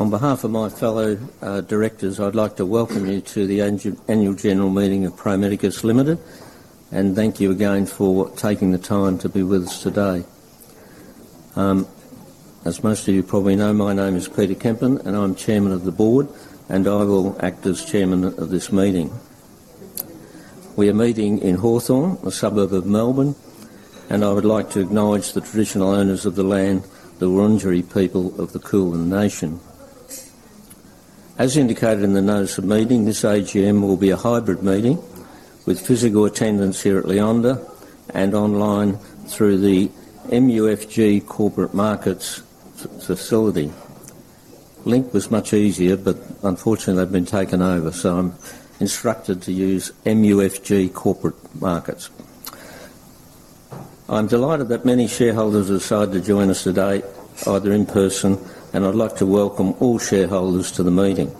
On behalf of my fellow directors, I'd like to welcome you to the annual general meeting of Pro Medicus Limited, and thank you again for taking the time to be with us today. As most of you probably know, my name is Peter Kempen, and I'm chairman of the board, and I will act as chairman of this meeting. We are meeting in Hawthorn, a suburb of Melbourne, and I would like to acknowledge the traditional owners of the land, the Wurundjeri people of the Kulin Nation. As indicated in the notice of meeting, this AGM will be a hybrid meeting with physical attendance here at Leonda, and online through the MUFG Corporate Markets facility. Link was much easier, but unfortunately, they've been taken over, so I'm instructed to use MUFG Corporate Markets. I'm delighted that many shareholders have decided to join us today, either in person, and I'd like to welcome all shareholders to the meeting.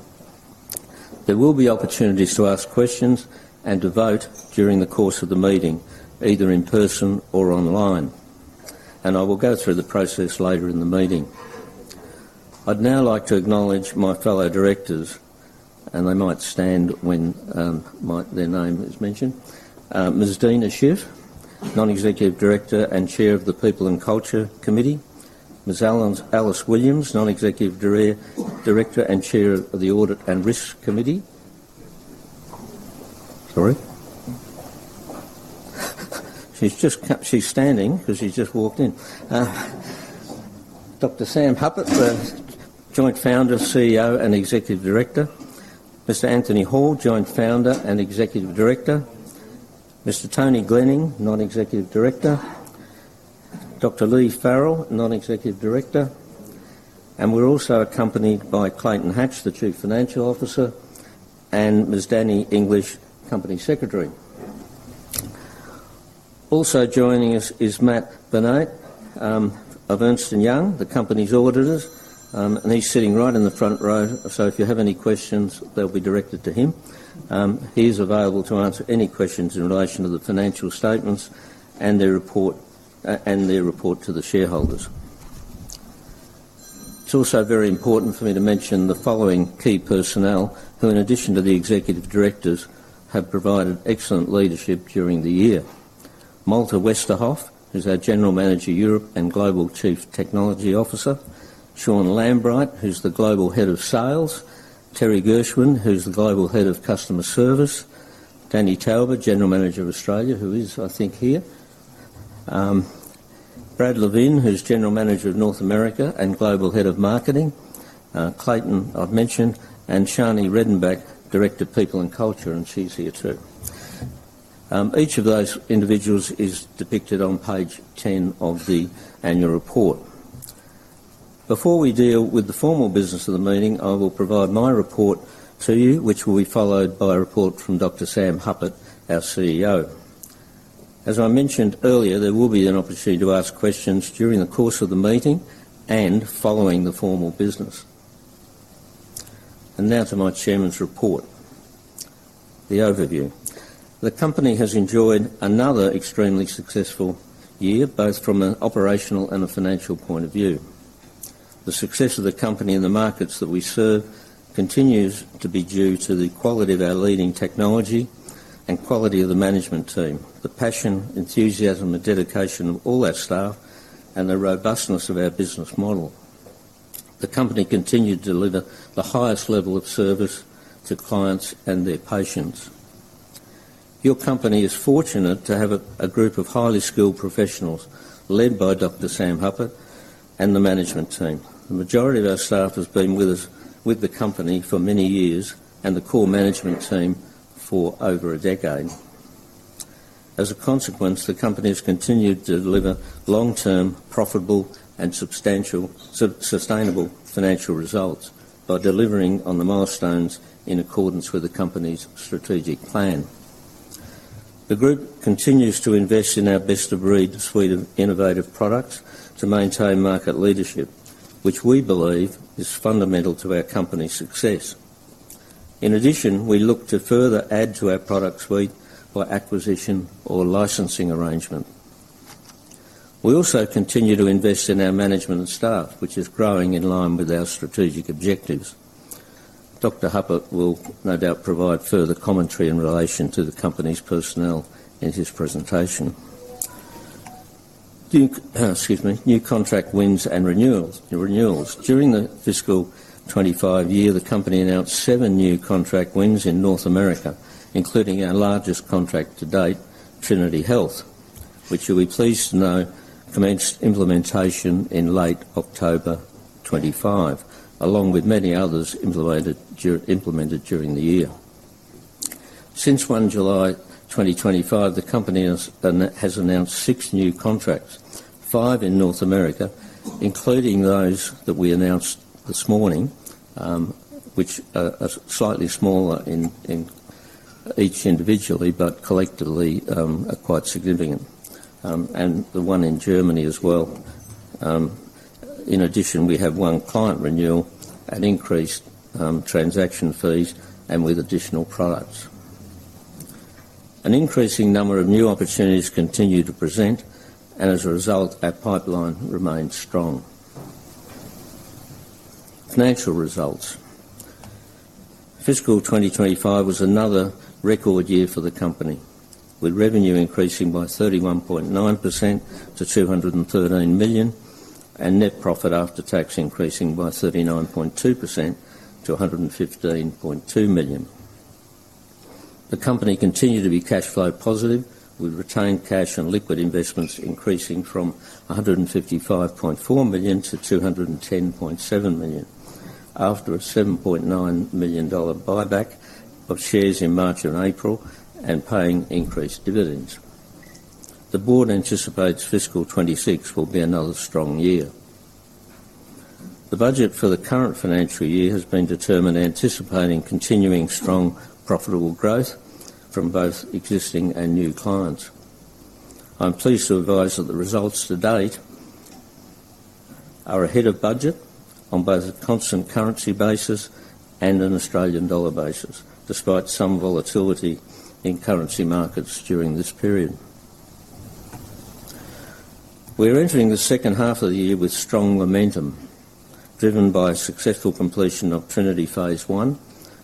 There will be opportunities to ask questions and to vote during the course of the meeting, either in person or online, and I will go through the process later in the meeting. I'd now like to acknowledge my fellow directors, and they might stand when their name is mentioned. Ms. Deena Shiff, non-executive director and chair of the People and Culture Committee. Ms. Alice Williams, non-executive director and chair of the Audit and Risk Committee. Sorry. She's just standing because she's just walked in. Dr. Sam Hupert, the joint founder, CEO, and executive director. Mr. Anthony Hall, joint founder and executive director. Mr. Tony Glenning, non-executive director. Dr. Leigh Farrell, non-executive director. And we're also accompanied by Clayton Hatch, the chief financial officer, and Ms. Danny English, company secretary. Also joining us is Matt Burnett of Ernst & Young, the company's auditors, and he's sitting right in the front row, so if you have any questions, they'll be directed to him. He's available to answer any questions in relation to the financial statements and their report to the shareholders. It's also very important for me to mention the following key personnel who, in addition to the executive directors, have provided excellent leadership during the year. Malte Westerhoff, who's our general manager Europe and global chief technology officer. Sean Lambright, who's the global head of sales. Teresa Gschwind, who's the global head of customer service. Danny Tauber, general manager of Australia, who is, I think, here. Brad Levin, who's general manager of North America and global head of marketing. Clayton, I've mentioned, and Sharni Redenbach, director of people and culture, and she's here too. Each of those individuals is depicted on page 10 of the annual report. Before we deal with the formal business of the meeting, I will provide my report to you, which will be followed by a report from Dr. Sam Hupert, our CEO. As I mentioned earlier, there will be an opportunity to ask questions during the course of the meeting and following the formal business. Now to my chairman's report, the overview. The company has enjoyed another extremely successful year, both from an operational and a financial point of view. The success of the company and the markets that we serve continues to be due to the quality of our leading technology and quality of the management team, the passion, enthusiasm, and dedication of all our staff, and the robustness of our business model. The company continues to deliver the highest level of service to clients and their patients. Your company is fortunate to have a group of highly skilled professionals led by Dr. Sam Hupert and the management team. The majority of our staff has been with the company for many years and the core management team for over a decade. As a consequence, the company has continued to deliver long-term, profitable, and substantial, sustainable financial results by delivering on the milestones in accordance with the company's strategic plan. The group continues to invest in our best-of-breed suite of innovative products to maintain market leadership, which we believe is fundamental to our company's success. In addition, we look to further add to our product suite by acquisition or licensing arrangement. We also continue to invest in our management staff, which is growing in line with our strategic objectives. Dr. Hupert will no doubt provide further commentary in relation to the company's personnel in his presentation. New contract wins and renewals. During the fiscal 2025 year, the company announced seven new contract wins in North America, including our largest contract to date, Trinity Health, which, you'll be pleased to know, commenced implementation in late October 2025, along with many others implemented during the year. Since 1 July 2025, the company has announced six new contracts, five in North America, including those that we announced this morning, which are slightly smaller each individually, but collectively are quite significant, and the one in Germany as well. In addition, we have one client renewal, an increased transaction fees, and with additional products. An increasing number of new opportunities continue to present, and as a result, our pipeline remains strong. Financial results. Fiscal 2025 was another record year for the company, with revenue increasing by 31.9% to 213 million, and net profit after tax increasing by 39.2% to 115.2 million. The company continued to be cash flow positive, with retained cash and liquid investments increasing from 155.4 million to 210.7 million after a 7.9 million dollar buyback of shares in March and April and paying increased dividends. The board anticipates fiscal 2026 will be another strong year. The budget for the current financial year has been determined, anticipating continuing strong profitable growth from both existing and new clients. I'm pleased to advise that the results to date are ahead of budget on both a constant currency basis and an Australian dollar basis, despite some volatility in currency markets during this period. We're entering the second half of the year with strong momentum, driven by a successful completion of Trinity phase I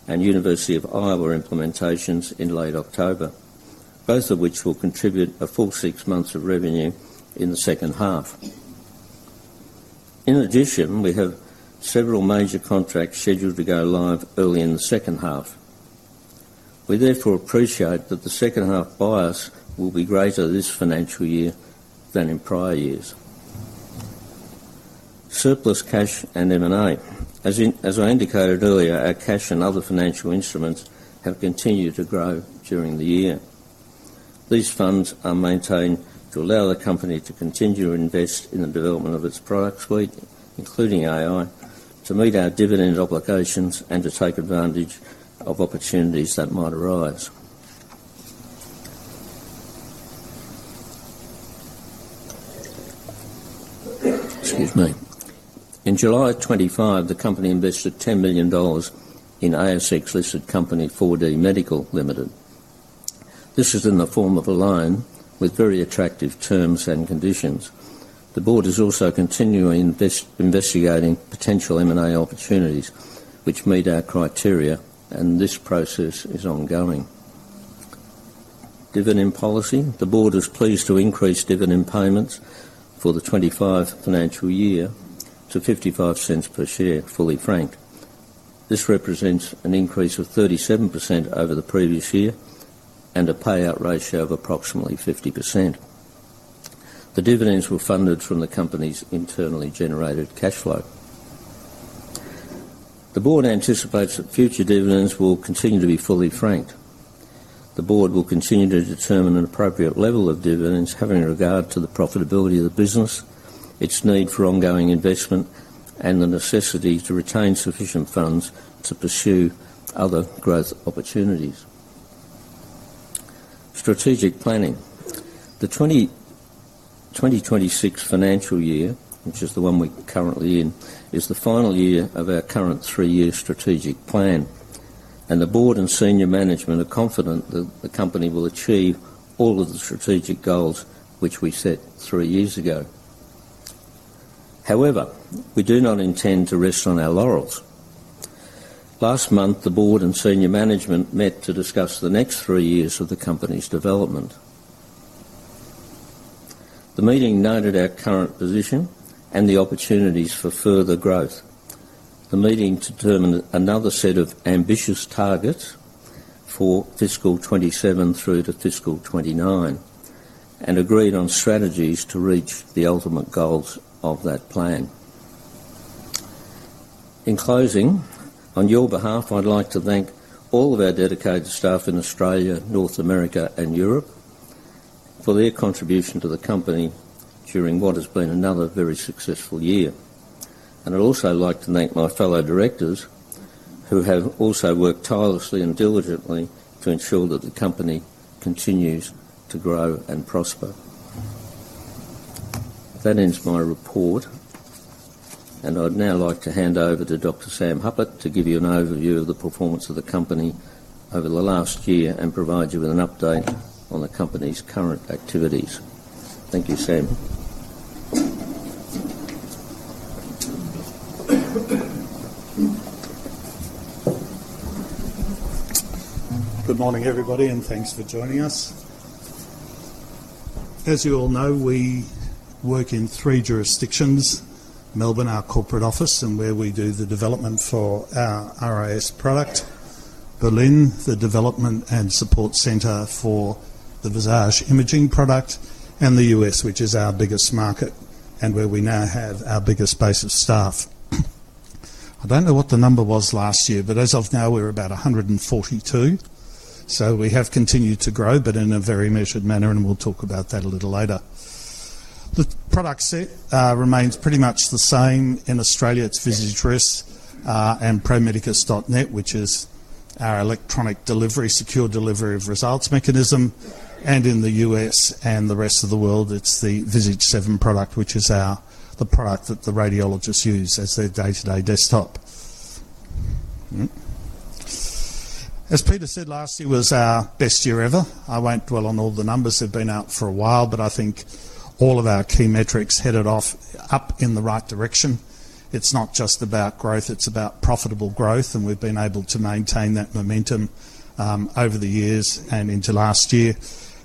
and University of Iowa implementations in late October, both of which will contribute a full six months of revenue in the second half. In addition, we have several major contracts scheduled to go live early in the second half. We therefore appreciate that the second half bias will be greater this financial year than in prior years. Surplus cash and M&A. As I indicated earlier, our cash and other financial instruments have continued to grow during the year. These funds are maintained to allow the company to continue to invest in the development of its product suite, including AI, to meet our dividend obligations, and to take advantage of opportunities that might arise. Excuse me. In July 2025, the company invested 10 million dollars in ASX-listed company 4DMedical Limited. This is in the form of a loan with very attractive terms and conditions. The board is also continuing investigating potential M&A opportunities, which meet our criteria, and this process is ongoing. Dividend policy. The board is pleased to increase dividend payments for the 2025 financial year to 0.55 per share, fully franked. This represents an increase of 37% over the previous year and a payout ratio of approximately 50%. The dividends were funded from the company's internally generated cash flow. The board anticipates that future dividends will continue to be fully franked. The board will continue to determine an appropriate level of dividends, having regard to the profitability of the business, its need for ongoing investment, and the necessity to retain sufficient funds to pursue other growth opportunities. Strategic planning. The 2026 financial year, which is the one we're currently in, is the final year of our current three-year strategic plan, and the board and senior management are confident that the company will achieve all of the strategic goals which we set three years ago. However, we do not intend to rest on our laurels. Last month, the board and senior management met to discuss the next three years of the company's development. The meeting noted our current position and the opportunities for further growth. The meeting determined another set of ambitious targets for fiscal 2027 through to fiscal 2029 and agreed on strategies to reach the ultimate goals of that plan. In closing, on your behalf, I'd like to thank all of our dedicated staff in Australia, North America, and Europe for their contribution to the company during what has been another very successful year. I'd also like to thank my fellow directors who have also worked tirelessly and diligently to ensure that the company continues to grow and prosper. That ends my report, and I'd now like to hand over to Dr. Sam Hupert to give you an overview of the performance of the company over the last year and provide you with an update on the company's current activities. Thank you, Sam. Good morning, everybody, and thanks for joining us. As you all know, we work in three jurisdictions: Melbourne, our corporate office, and where we do the development for our RIS product; Berlin, the development and support center for the Visage imaging product; and the U.S., which is our biggest market and where we now have our biggest base of staff. I don't know what the number was last year, but as of now, we're about 142. We have continued to grow, but in a very measured manner, and we'll talk about that a little later. The product set remains pretty much the same. In Australia, it's Visage RIS and Pro Medicus Net, which is our electronic delivery, secure delivery of results mechanism. In the U.S. and the rest of the world, it's the Visage 7 product, which is the product that the radiologists use as their day-to-day desktop. As Peter said last, it was our best year ever. I won't dwell on all the numbers. They've been out for a while, but I think all of our key metrics headed off up in the right direction. It's not just about growth. It's about profitable growth, and we've been able to maintain that momentum over the years and into last year.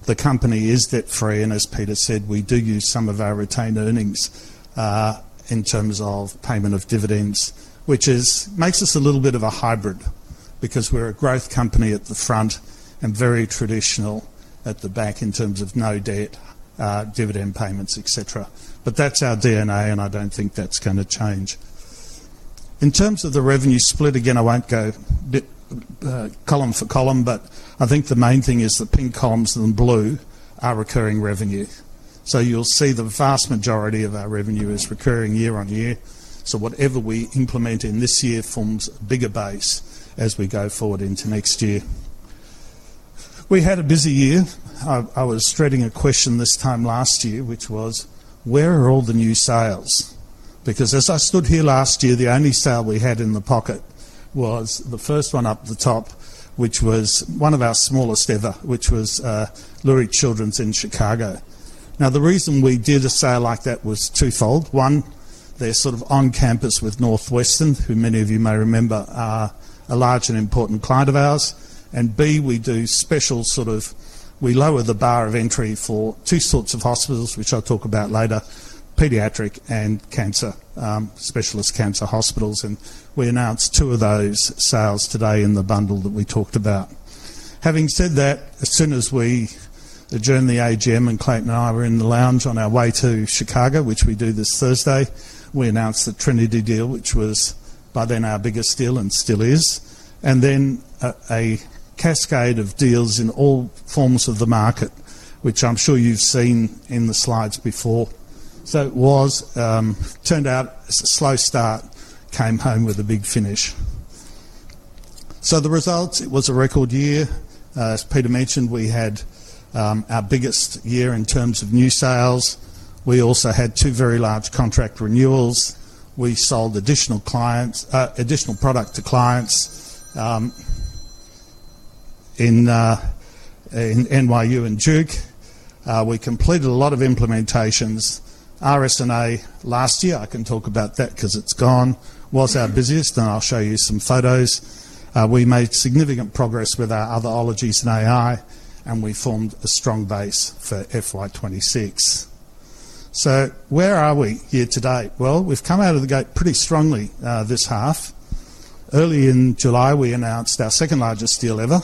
The company is debt-free, and as Peter said, we do use some of our retained earnings in terms of payment of dividends, which makes us a little bit of a hybrid because we're a growth company at the front and very traditional at the back in terms of no debt, dividend payments, etc. That's our DNA, and I don't think that's going to change. In terms of the revenue split, again, I won't go column for column, but I think the main thing is the pink columns and blue are recurring revenue. You'll see the vast majority of our revenue is recurring year on year. Whatever we implement in this year forms a bigger base as we go forward into next year. We had a busy year. I was dreading a question this time last year, which was, where are all the new sales? Because as I stood here last year, the only sale we had in the pocket was the first one up the top, which was one of our smallest ever, which was Lurie Children's in Chicago. Now, the reason we did a sale like that was twofold. One, they're sort of on campus with Northwestern, who many of you may remember are a large and important client of ours. B, we do special sort of we lower the bar of entry for two sorts of hospitals, which I'll talk about later, pediatric and cancer specialist cancer hospitals. We announced two of those sales today in the bundle that we talked about. Having said that, as soon as we adjourned the AGM, and Clayton and I were in the lounge on our way to Chicago, which we do this Thursday, we announced the Trinity deal, which was by then our biggest deal and still is, and then a cascade of deals in all forms of the market, which I'm sure you've seen in the slides before. It turned out a slow start came home with a big finish. The results, it was a record year. As Peter mentioned, we had our biggest year in terms of new sales. We also had two very large contract renewals. We sold additional product to clients in NYU and Duke. We completed a lot of implementations. RSNA last year, I can talk about that because it's gone, was our busiest, and I'll show you some photos. We made significant progress with our otherologies and AI, and we formed a strong base for FY 2026. Where are we year to date? We've come out of the gate pretty strongly this half. Early in July, we announced our second largest deal ever,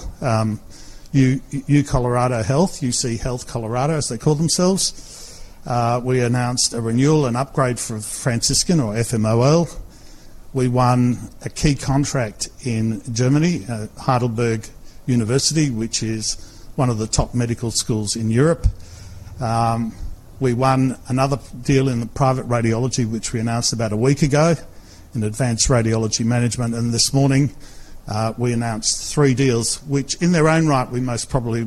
UCHealth Colorado, as they call themselves. We announced a renewal and upgrade for Franciscan or FMOL. We won a key contract in Germany, Heidelberg University, which is one of the top medical schools in Europe. We won another deal in the private radiology, which we announced about a week ago in Advanced Radiology Management. This morning, we announced three deals, which in their own right, we most probably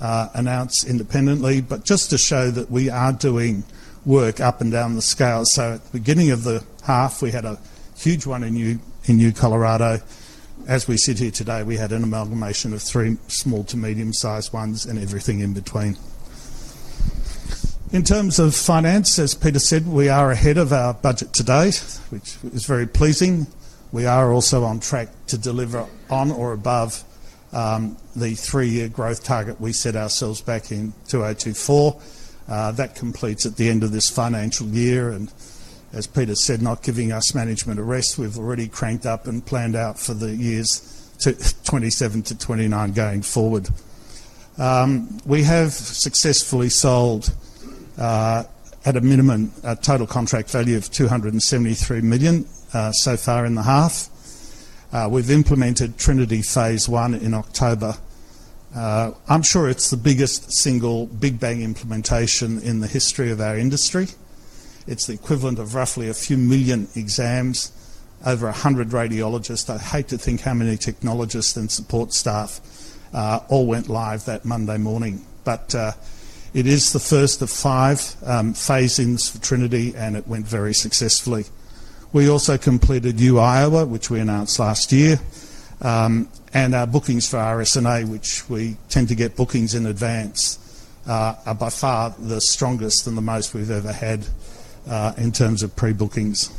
wouldn't announce independently, just to show that we are doing work up and down the scale. At the beginning of the half, we had a huge one in UCHealth Colorado. As we sit here today, we had an amalgamation of three small to medium-sized ones and everything in between. In terms of finance, as Peter said, we are ahead of our budget to date, which is very pleasing. We are also on track to deliver on or above the three-year growth target we set ourselves back in 2024. That completes at the end of this financial year. As Peter said, not giving us management a rest, we've already cranked up and planned out for the years 2027-2029 going forward. We have successfully sold at a minimum total contract value of 273 million so far in the half. We've implemented Trinity phase I in October. I'm sure it's the biggest single big bang implementation in the history of our industry. It's the equivalent of roughly a few million exams, over 100 radiologists. I hate to think how many technologists and support staff all went live that Monday morning. It is the first of five phasings for Trinity, and it went very successfully. We also completed UIowa, which we announced last year. Our bookings for RSNA, which we tend to get bookings in advance, are by far the strongest and the most we've ever had in terms of pre-bookings.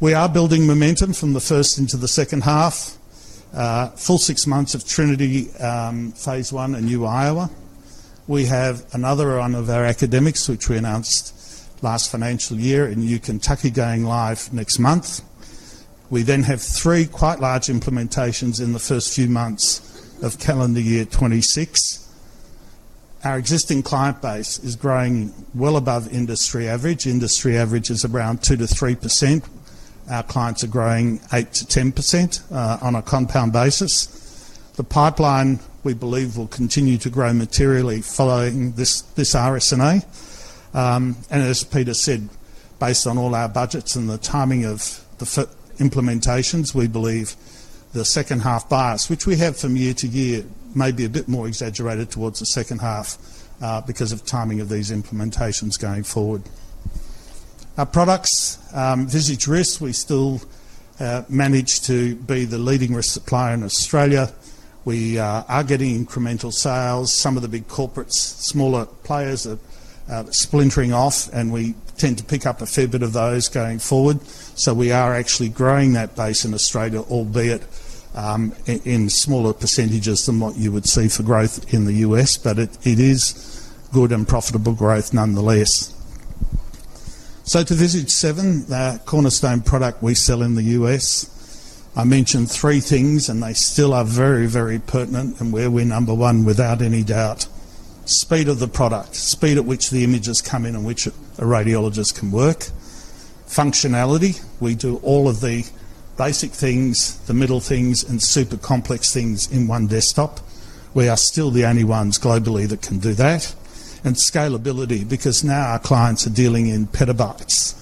We are building momentum from the first into the second half. Full six months of Trinity phase I and University of Iowa. We have another run of our academics, which we announced last financial year in University of Kentucky going live next month. We then have three quite large implementations in the first few months of calendar year 2026. Our existing client base is growing well above industry average. Industry average is around 2%-3%. Our clients are growing 8%-10% on a compound basis. The pipeline, we believe, will continue to grow materially following this RSNA. As Peter said, based on all our budgets and the timing of the implementations, we believe the second half bias, which we have from year to year, may be a bit more exaggerated towards the second half because of timing of these implementations going forward. Our products, Visage RIS, we still manage to be the leading RIS supplier in Australia. We are getting incremental sales. Some of the big corporates, smaller players, are splintering off, and we tend to pick up a fair bit of those going forward. We are actually growing that base in Australia, albeit in smaller percentages than what you would see for growth in the U.S., but it is good and profitable growth nonetheless. To Visage 7, the cornerstone product we sell in the U.S., I mentioned three things, and they still are very, very pertinent and where we're number one without any doubt. Speed of the product, speed at which the images come in and which a radiologist can work. Functionality. We do all of the basic things, the middle things, and super complex things in one desktop. We are still the only ones globally that can do that. Scalability, because now our clients are dealing in petabytes.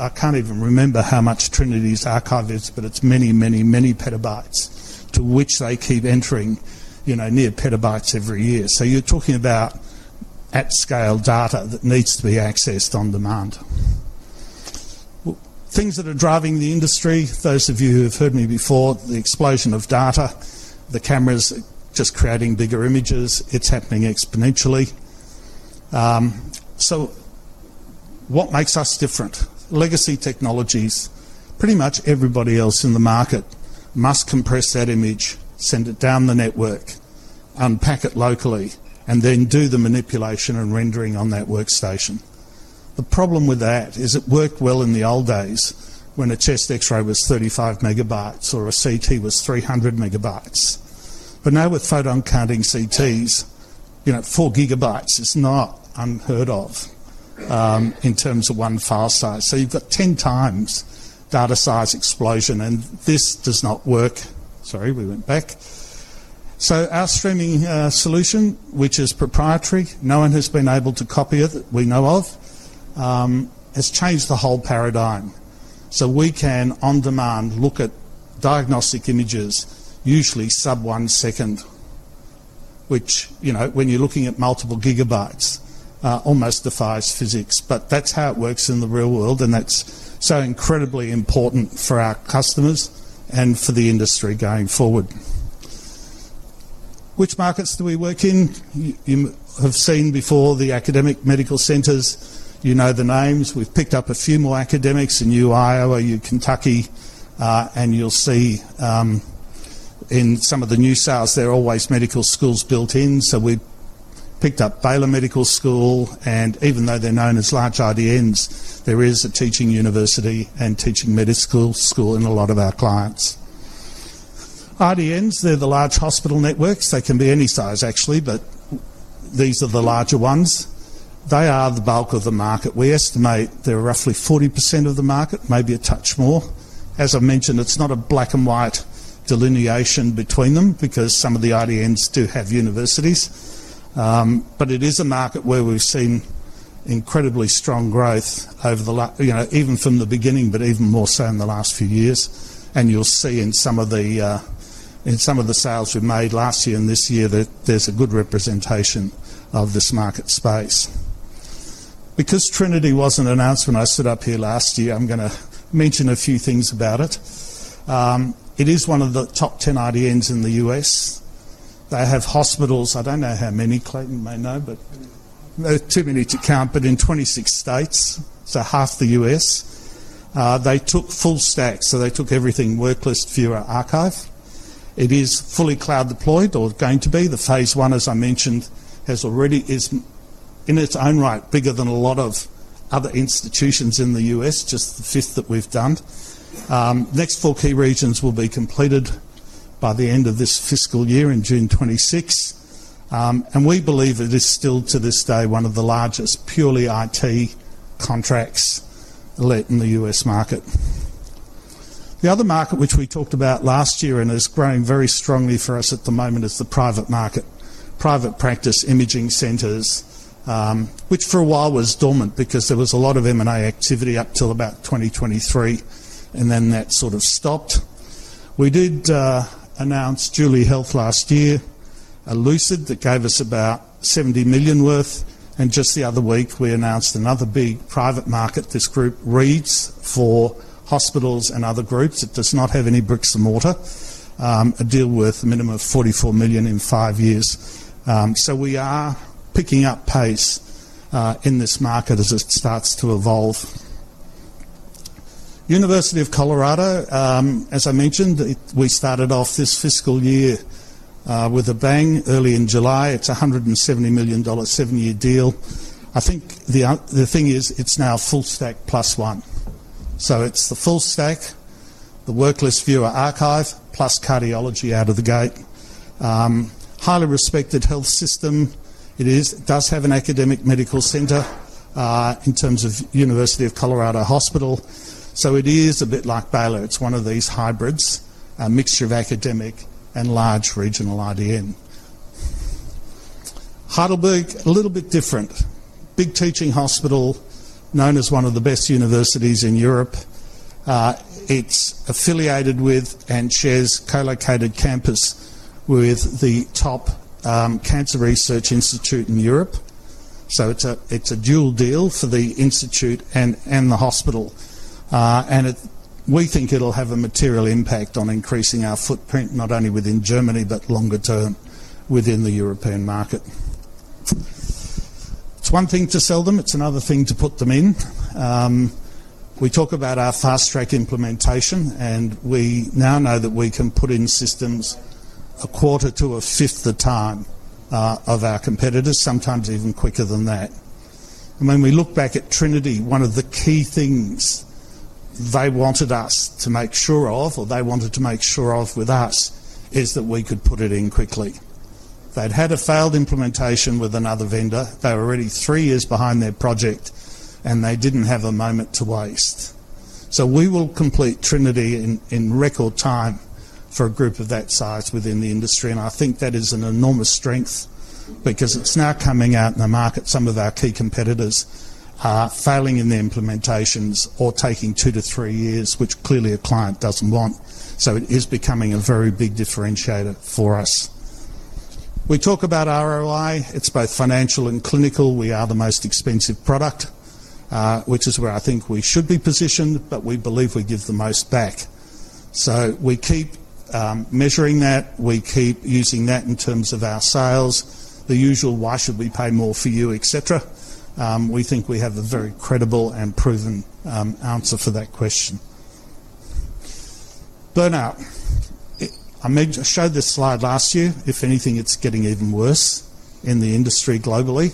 I can't even remember how much Trinity's archive is, but it's many, many, many petabytes to which they keep entering near petabytes every year. You're talking about at-scale data that needs to be accessed on demand. Things that are driving the industry, those of you who have heard me before, the explosion of data, the cameras just creating bigger images, it's happening exponentially. What makes us different? Legacy technologies, pretty much everybody else in the market must compress that image, send it down the network, unpack it locally, and then do the manipulation and rendering on that workstation. The problem with that is it worked well in the old days when a chest X-ray was 35 MB or a CT was 300 MB. Now with photon counting CTs, 4 GB is not unheard of in terms of one file size. You have got 10 times data size explosion, and this does not work. Our streaming solution, which is proprietary, no one has been able to copy it that we know of, has changed the whole paradigm. We can on demand look at diagnostic images, usually sub one second, which when you're looking at multiple gigabytes, almost defies physics. That is how it works in the real world, and that is so incredibly important for our customers and for the industry going forward. Which markets do we work in? You have seen before the academic medical centers. You know the names. We've picked up a few more academics in University of Iowa, University of Kentucky, and you'll see in some of the new sales, there are always medical schools built in. We've picked up Baylor Medical School, and even though they're known as large RDNs, there is a teaching university and teaching medical school in a lot of our clients. RDNs, they're the large hospital networks. They can be any size, actually, but these are the larger ones. They are the bulk of the market. We estimate they're roughly 40% of the market, maybe a touch more. As I mentioned, it's not a black and white delineation between them because some of the RDNs do have universities. It is a market where we've seen incredibly strong growth over the last, even from the beginning, but even more so in the last few years. You'll see in some of the sales we've made last year and this year that there's a good representation of this market space. Because Trinity wasn't announced when I stood up here last year, I'm going to mention a few things about it. It is one of the top 10 RDNs in the U.S. They have hospitals. I don't know how many. Clayton may know, but there's too many to count. In 26 states, so half the U.S., they took full stack. They took everything, worklist, viewer, archive. It is fully cloud deployed or going to be. The phase I, as I mentioned, has already, is in its own right, bigger than a lot of other institutions in the U.S., just the fifth that we've done. Next four key regions will be completed by the end of this fiscal year in June 2026. We believe it is still to this day one of the largest purely IT contracts in the U.S. market. The other market, which we talked about last year and is growing very strongly for us at the moment, is the private market, private practice imaging centers, which for a while was dormant because there was a lot of M&A activity up till about 2023, and then that sort of stopped. We did announce Julie Health last year, Elucid that gave us about 70 million worth. Just the other week, we announced another big private market, this group, Reeds for hospitals and other groups. It does not have any bricks and mortar, a deal worth a minimum of 44 million in five years. We are picking up pace in this market as it starts to evolve. University of Colorado, as I mentioned, we started off this fiscal year with a bang early in July. It is a 170 million dollar seven-year deal. I think the thing is it is now full stack plus one. It is the full stack, the worklist, viewer, archive plus cardiology out of the gate. Highly respected health system. It does have an academic medical center in terms of University of Colorado Hospital. It is a bit like Baylor. It is one of these hybrids, a mixture of academic and large regional RDN. Heidelberg, a little bit different. Big teaching hospital, known as one of the best universities in Europe. It is affiliated with and shares co-located campus with the top cancer research institute in Europe. It is a dual deal for the institute and the hospital. We think it will have a material impact on increasing our footprint, not only within Germany, but longer term within the European market. It is one thing to sell them. It is another thing to put them in. We talk about our fast track implementation, and we now know that we can put in systems a quarter to a fifth the time of our competitors, sometimes even quicker than that. When we look back at Trinity, one of the key things they wanted us to make sure of, or they wanted to make sure of with us, is that we could put it in quickly. They had a failed implementation with another vendor. They were already three years behind their project, and they did not have a moment to waste. We will complete Trinity in record time for a group of that size within the industry. I think that is an enormous strength because it is now coming out in the market. Some of our key competitors are failing in the implementations or taking two to three years, which clearly a client does not want. It is becoming a very big differentiator for us. We talk about ROI. It is both financial and clinical. We are the most expensive product, which is where I think we should be positioned, but we believe we give the most back. We keep measuring that. We keep using that in terms of our sales, the usual, why should we pay more for you, etc. We think we have a very credible and proven answer for that question. Burnout. I showed this slide last year. If anything, it's getting even worse in the industry globally.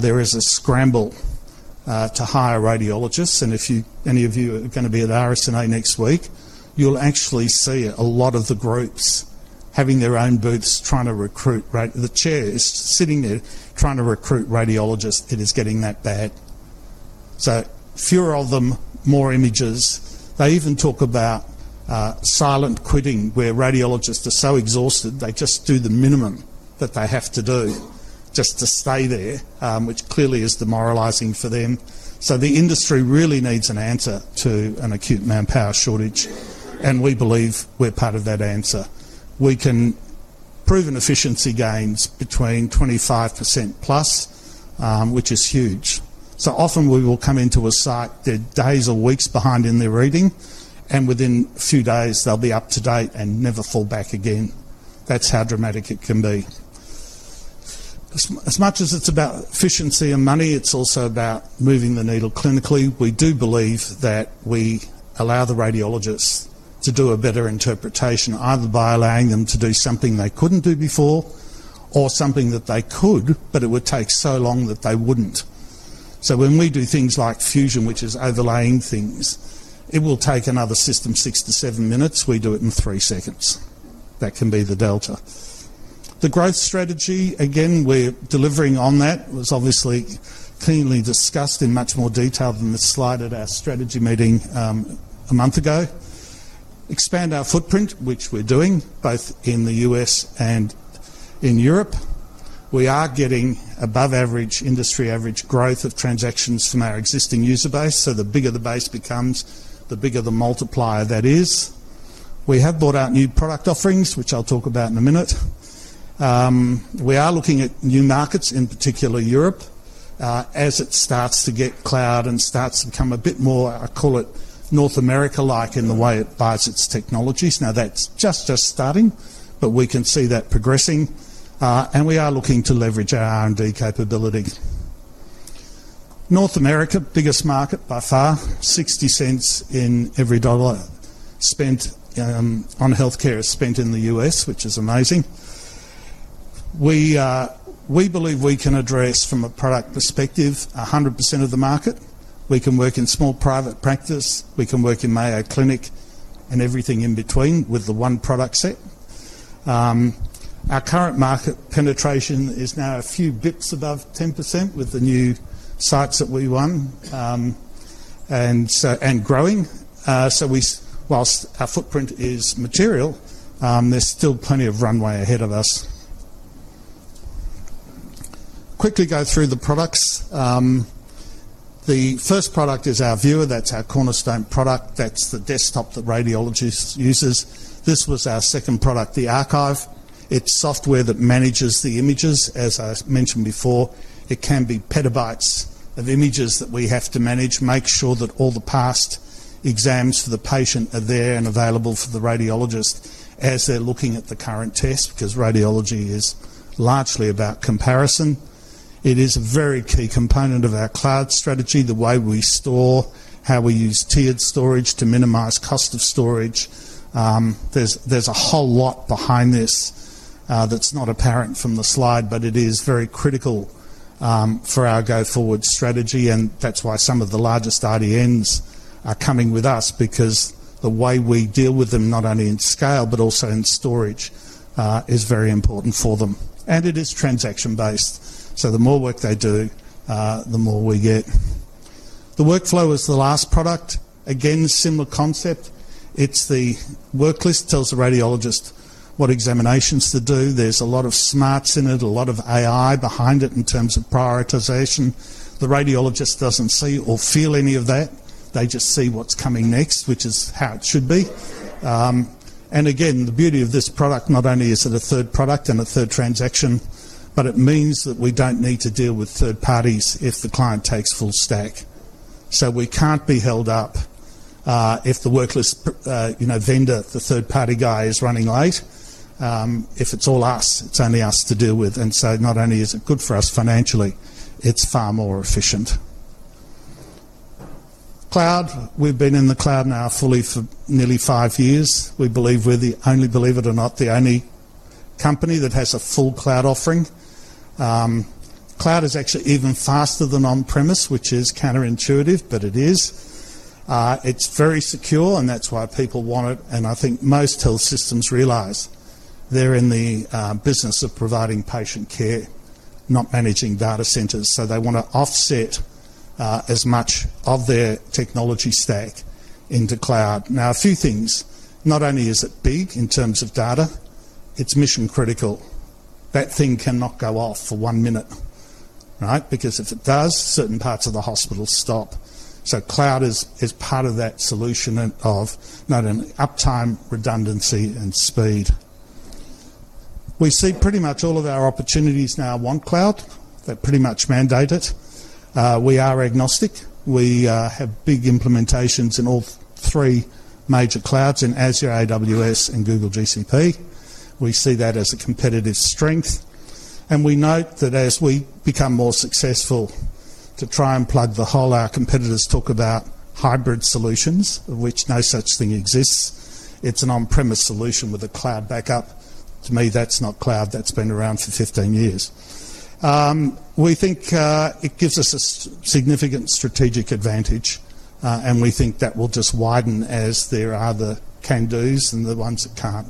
There is a scramble to hire radiologists. If any of you are going to be at RSNA next week, you'll actually see a lot of the groups having their own booths trying to recruit, the chairs sitting there trying to recruit radiologists. It is getting that bad. Fewer of them, more images. They even talk about silent quitting where radiologists are so exhausted, they just do the minimum that they have to do just to stay there, which clearly is demoralizing for them. The industry really needs an answer to an acute manpower shortage. We believe we're part of that answer. We can prove efficiency gains between 25%+, which is huge. Often we will come into a site that is days or weeks behind in their reading, and within a few days, they'll be up to date and never fall back again. That's how dramatic it can be. As much as it's about efficiency and money, it's also about moving the needle clinically. We do believe that we allow the radiologists to do a better interpretation, either by allowing them to do something they couldn't do before or something that they could, but it would take so long that they wouldn't. When we do things like fusion, which is overlaying things, it will take another system six to seven minutes. We do it in three seconds. That can be the delta. The growth strategy, again, we're delivering on that. It was obviously cleanly discussed in much more detail than the slide at our strategy meeting a month ago. Expand our footprint, which we're doing both in the U.S. and in Europe. We are getting above average industry average growth of transactions from our existing user base. The bigger the base becomes, the bigger the multiplier that is. We have brought out new product offerings, which I'll talk about in a minute. We are looking at new markets, in particular Europe, as it starts to get cloud and starts to become a bit more, I call it North America-like in the way it buys its technologies. That is just us starting, but we can see that progressing. We are looking to leverage our R&D capability. North America, biggest market by far, 0.60 in every dollar spent on healthcare is spent in the U.S., which is amazing. We believe we can address, from a product perspective, 100% of the market. We can work in small private practice. We can work in Mayo Clinic and everything in between with the one product set. Our current market penetration is now a few basis points above 10% with the new sites that we won and growing. Whilst our footprint is material, there is still plenty of runway ahead of us. Quickly go through the products. The first product is our viewer. That is our cornerstone product. That is the desktop that radiologists use. This was our second product, the archive. It is software that manages the images. As I mentioned before, it can be petabytes of images that we have to manage, make sure that all the past exams for the patient are there and available for the radiologist as they are looking at the current test because radiology is largely about comparison. It is a very key component of our cloud strategy, the way we store, how we use tiered storage to minimize cost of storage. There is a whole lot behind this that is not apparent from the slide, but it is very critical for our go forward strategy. That is why some of the largest RDNs are coming with us, because the way we deal with them, not only in scale, but also in storage, is very important for them. It is transaction-based. The more work they do, the more we get. The workflow is the last product. Again, similar concept. It is the worklist that tells the radiologist what examinations to do. There is a lot of smarts in it, a lot of AI behind it in terms of prioritization. The radiologist does not see or feel any of that. They just see what is coming next, which is how it should be. The beauty of this product, not only is it a third product and a third transaction, but it means that we don't need to deal with third parties if the client takes full stack. We can't be held up if the work list vendor, the third party guy is running late. If it's all us, it's only us to deal with. Not only is it good for us financially, it's far more efficient. Cloud. We've been in the cloud now fully for nearly five years. We believe we're the only, believe it or not, the only company that has a full cloud offering. Cloud is actually even faster than on-premise, which is counterintuitive, but it is. It's very secure, and that's why people want it. I think most health systems realize they're in the business of providing patient care, not managing data centers. They want to offset as much of their technology stack into cloud. Now, a few things. Not only is it big in terms of data, it's mission critical. That thing cannot go off for one minute, right? Because if it does, certain parts of the hospital stop. Cloud is part of that solution of not only uptime, redundancy, and speed. We see pretty much all of our opportunities now want cloud. They're pretty much mandated. We are agnostic. We have big implementations in all three major clouds, in Azure, AWS, and Google GCP. We see that as a competitive strength. We note that as we become more successful to try and plug the hole, our competitors talk about hybrid solutions, of which no such thing exists. It's an on-premise solution with a cloud backup. To me, that's not cloud. That's been around for 15 years. We think it gives us a significant strategic advantage, and we think that will just widen as there are the can-dos and the ones that can't.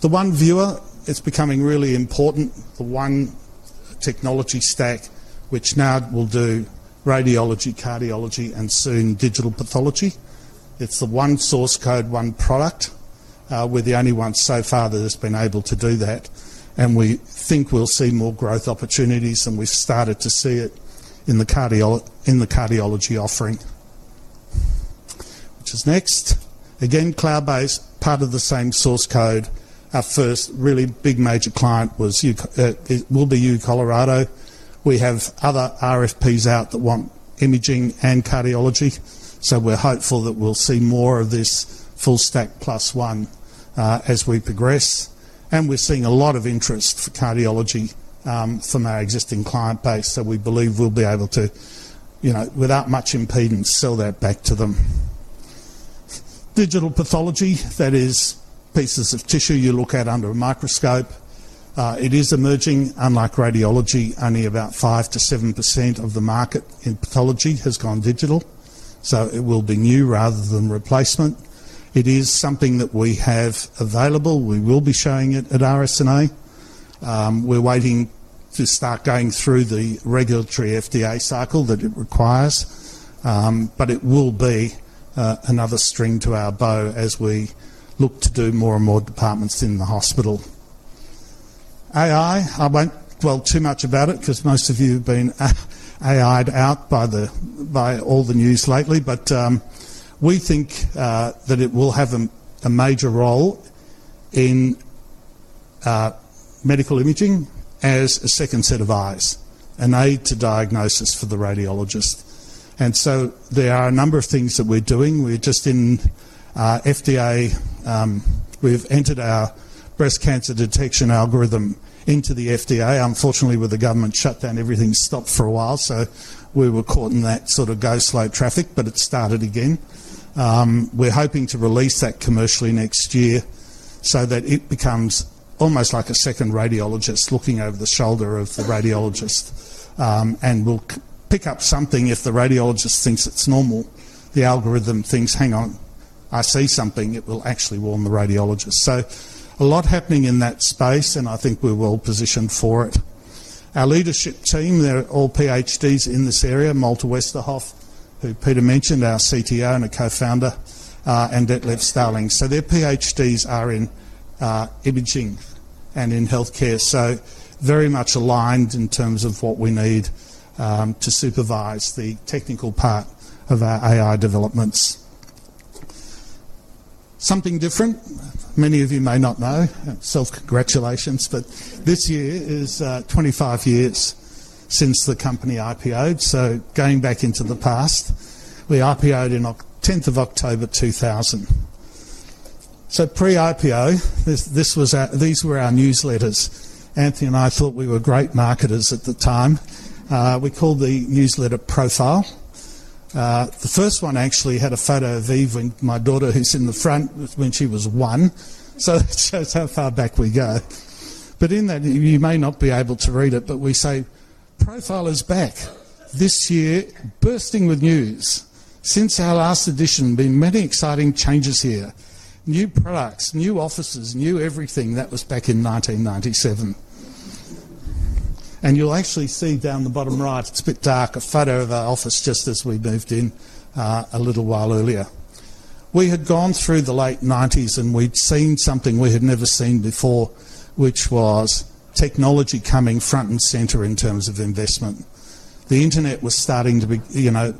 The one viewer, it's becoming really important. The one technology stack, which now will do radiology, cardiology, and soon digital pathology. It's the one source code, one product. We're the only ones so far that has been able to do that. We think we'll see more growth opportunities, and we've started to see it in the cardiology offering, which is next. Again, cloud-based, part of the same source code. Our first really big major client will be UCHealth. We have other RFPs out that want imaging and cardiology. We are hopeful that we'll see more of this full stack plus one as we progress. We are seeing a lot of interest for cardiology from our existing client base. We believe we'll be able to, without much impedance, sell that back to them. Digital pathology, that is pieces of tissue you look at under a microscope. It is emerging, unlike radiology, only about 5%-7% of the market in pathology has gone digital. It will be new rather than replacement. It is something that we have available. We will be showing it at RSNA. We're waiting to start going through the regulatory FDA cycle that it requires. It will be another string to our bow as we look to do more and more departments in the hospital. AI, I won't dwell too much about it because most of you have been AI'd out by all the news lately. We think that it will have a major role in medical imaging as a second set of eyes, an aid to diagnosis for the radiologist. There are a number of things that we're doing. We're just in FDA. We've entered our breast cancer detection algorithm into the FDA. Unfortunately, with the government shutdown, everything stopped for a while. We were caught in that sort of go slow traffic, but it started again. We're hoping to release that commercially next year so that it becomes almost like a second radiologist looking over the shoulder of the radiologist. It will pick up something if the radiologist thinks it's normal. The algorithm thinks, "Hang on, I see something." It will actually warn the radiologist. A lot happening in that space, and I think we're well positioned for it. Our leadership team, they're all PhDs in this area, Malte Westerhoff, who Peter mentioned, our CTO and a co-founder, and Detlev Starling. Their PhDs are in imaging and in healthcare. Very much aligned in terms of what we need to supervise the technical part of our AI developments. Something different, many of you may not know. Self-congratulations. This year is 25 years since the company IPOed. Going back into the past, we IPOed on 10th of October 2000. Pre-IPO, these were our newsletters. Anthony and I thought we were great marketers at the time. We called the newsletter Profile. The first one actually had a photo of Eve, my daughter, who's in the front when she was one. It shows how far back we go. In that, you may not be able to read it, but we say, "Profile is back. This year, bursting with news. Since our last edition, there have been many exciting changes here. New products, new offices, new everything." That was back in 1997. You will actually see down the bottom right, it's a bit dark, a photo of our office just as we moved in a little while earlier. We had gone through the late 1990s, and we had seen something we had never seen before, which was technology coming front and center in terms of investment. The internet was starting to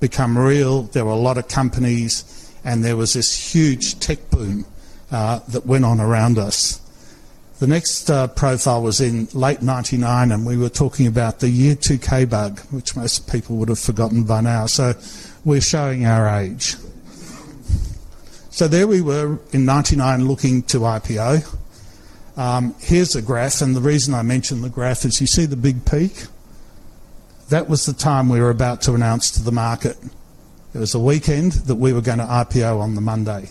become real. There were a lot of companies, and there was this huge tech boom that went on around us. The next profile was in late 1999, and we were talking about the year 2000 bug, which most people would have forgotten by now. We are showing our age. There we were in 1999 looking to IPO. Here is a graph. The reason I mention the graph is you see the big peak. That was the time we were about to announce to the market. It was a weekend that we were going to IPO on the Monday.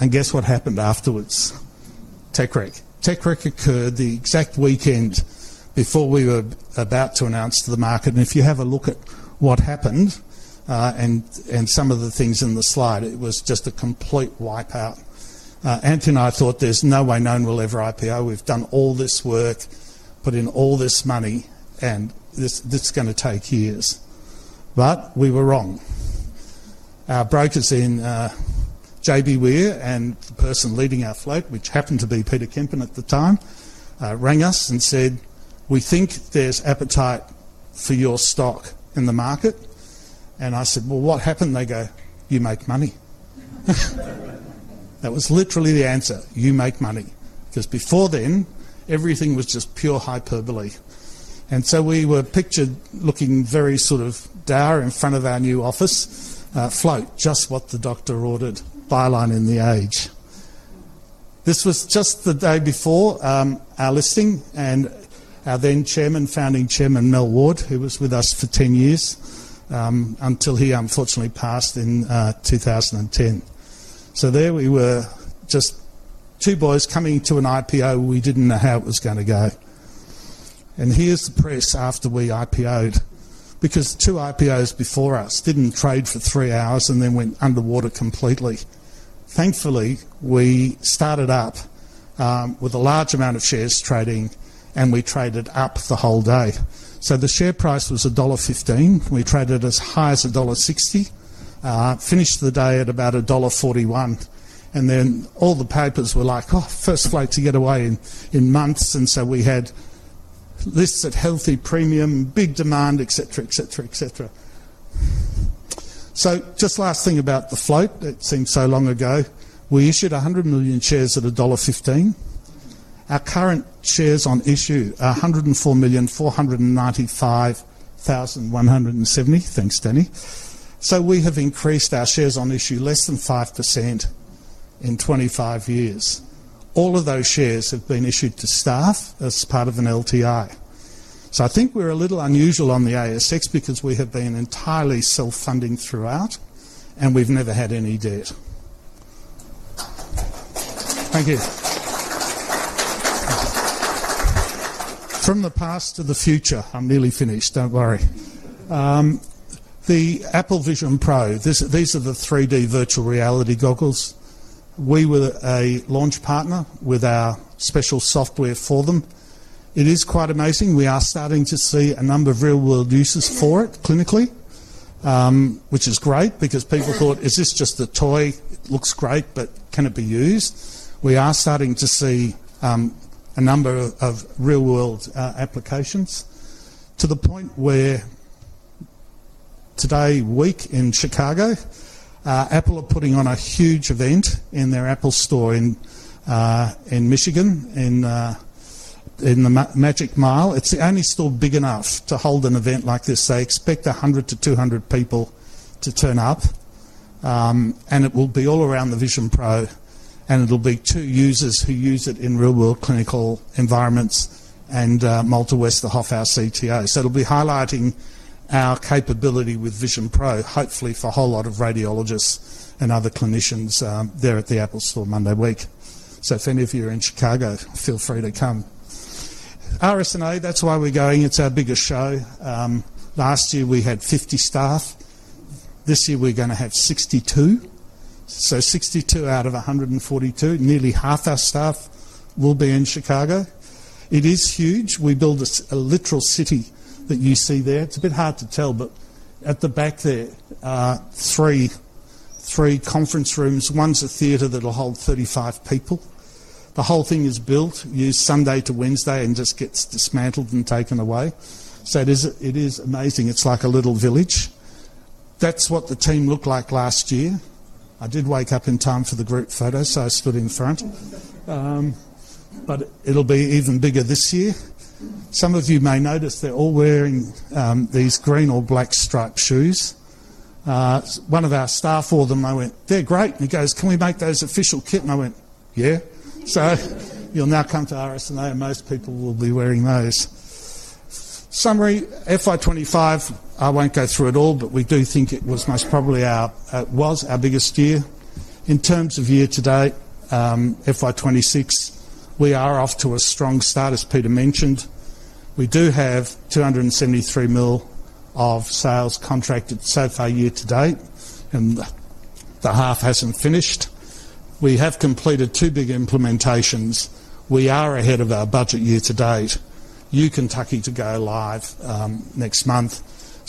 And guess what happened afterwards? Tech wreck. Tech wreck occurred the exact weekend before we were about to announce to the market. If you have a look at what happened and some of the things in the slide, it was just a complete wipeout. Anthony and I thought, "There's no way known we'll ever IPO. We've done all this work, put in all this money, and this is going to take years." We were wrong. Our brokers in JB Weir and the person leading our float, which happened to be Peter Kempen at the time, rang us and said, "We think there's appetite for your stock in the market." I said, "What happened?" They go, "You make money." That was literally the answer. You make money. Because before then, everything was just pure hyperbole. We were pictured looking very sort of dour in front of our new office. Float, just what the doctor ordered. Byline in The Age. This was just the day before our listing and our then Chairman, founding Chairman, Mel Ward, who was with us for 10 years until he unfortunately passed in 2010. There we were, just two boys coming to an IPO we didn't know how it was going to go. Here's the press after we IPOed. Two IPOs before us didn't trade for three hours and then went underwater completely. Thankfully, we started up with a large amount of shares trading, and we traded up the whole day. The share price was dollar 1.15. We traded as high as dollar 1.60, finished the day at about dollar 1.41. All the papers were like, "Oh, first float to get away in months." We had lists at healthy premium, big demand, etc., etc., etc. Last thing about the float, it seems so long ago, we issued 100 million shares at dollar 1.15. Our current shares on issue are 104,495,170. Thanks, Danny. We have increased our shares on issue less than 5% in 25 years. All of those shares have been issued to staff as part of an LTI. I think we're a little unusual on the ASX because we have been entirely self-funding throughout, and we've never had any debt. Thank you. From the past to the future. I'm nearly finished. Don't worry. The Apple Vision Pro, these are the 3D virtual reality goggles. We were a launch partner with our special software for them. It is quite amazing. We are starting to see a number of real-world uses for it clinically, which is great because people thought, "Is this just a toy? It looks great, but can it be used?" We are starting to see a number of real-world applications to the point where today, week in Chicago, Apple are putting on a huge event in their Apple store in Michigan, in the Magic Mile. It's the only store big enough to hold an event like this. They expect 100-200 people to turn up. It will be all around the Vision Pro, and it will be two users who use it in real-world clinical environments and Malte Westerhoff, our CTO. It will be highlighting our capability with Vision Pro, hopefully for a whole lot of radiologists and other clinicians there at the Apple store Monday week. If any of you are in Chicago, feel free to come. RSNA, that's where we're going. It's our biggest show. Last year, we had 50 staff. This year, we're going to have 62. So 62 out of 142, nearly half our staff will be in Chicago. It is huge. We built a literal city that you see there. It's a bit hard to tell, but at the back there, three conference rooms. One's a theater that'll hold 35 people. The whole thing is built, used Sunday to Wednesday, and just gets dismantled and taken away. It is amazing. It's like a little village. That's what the team looked like last year. I did wake up in time for the group photo, so I stood in front. It'll be even bigger this year. Some of you may notice they're all wearing these green or black striped shoes. One of our staff wore them. I went, "They're great." He goes, "Can we make those official kit?" I went, "Yeah." You will now come to RSNA, and most people will be wearing those. Summary, FY 2025, I will not go through it all, but we do think it was most probably our biggest year. In terms of year to date, FY 2026, we are off to a strong start, as Peter mentioned. We do have 273 million of sales contracted so far year to date, and the half has not finished. We have completed two big implementations. We are ahead of our budget year to date. University of Kentucky to go live next month.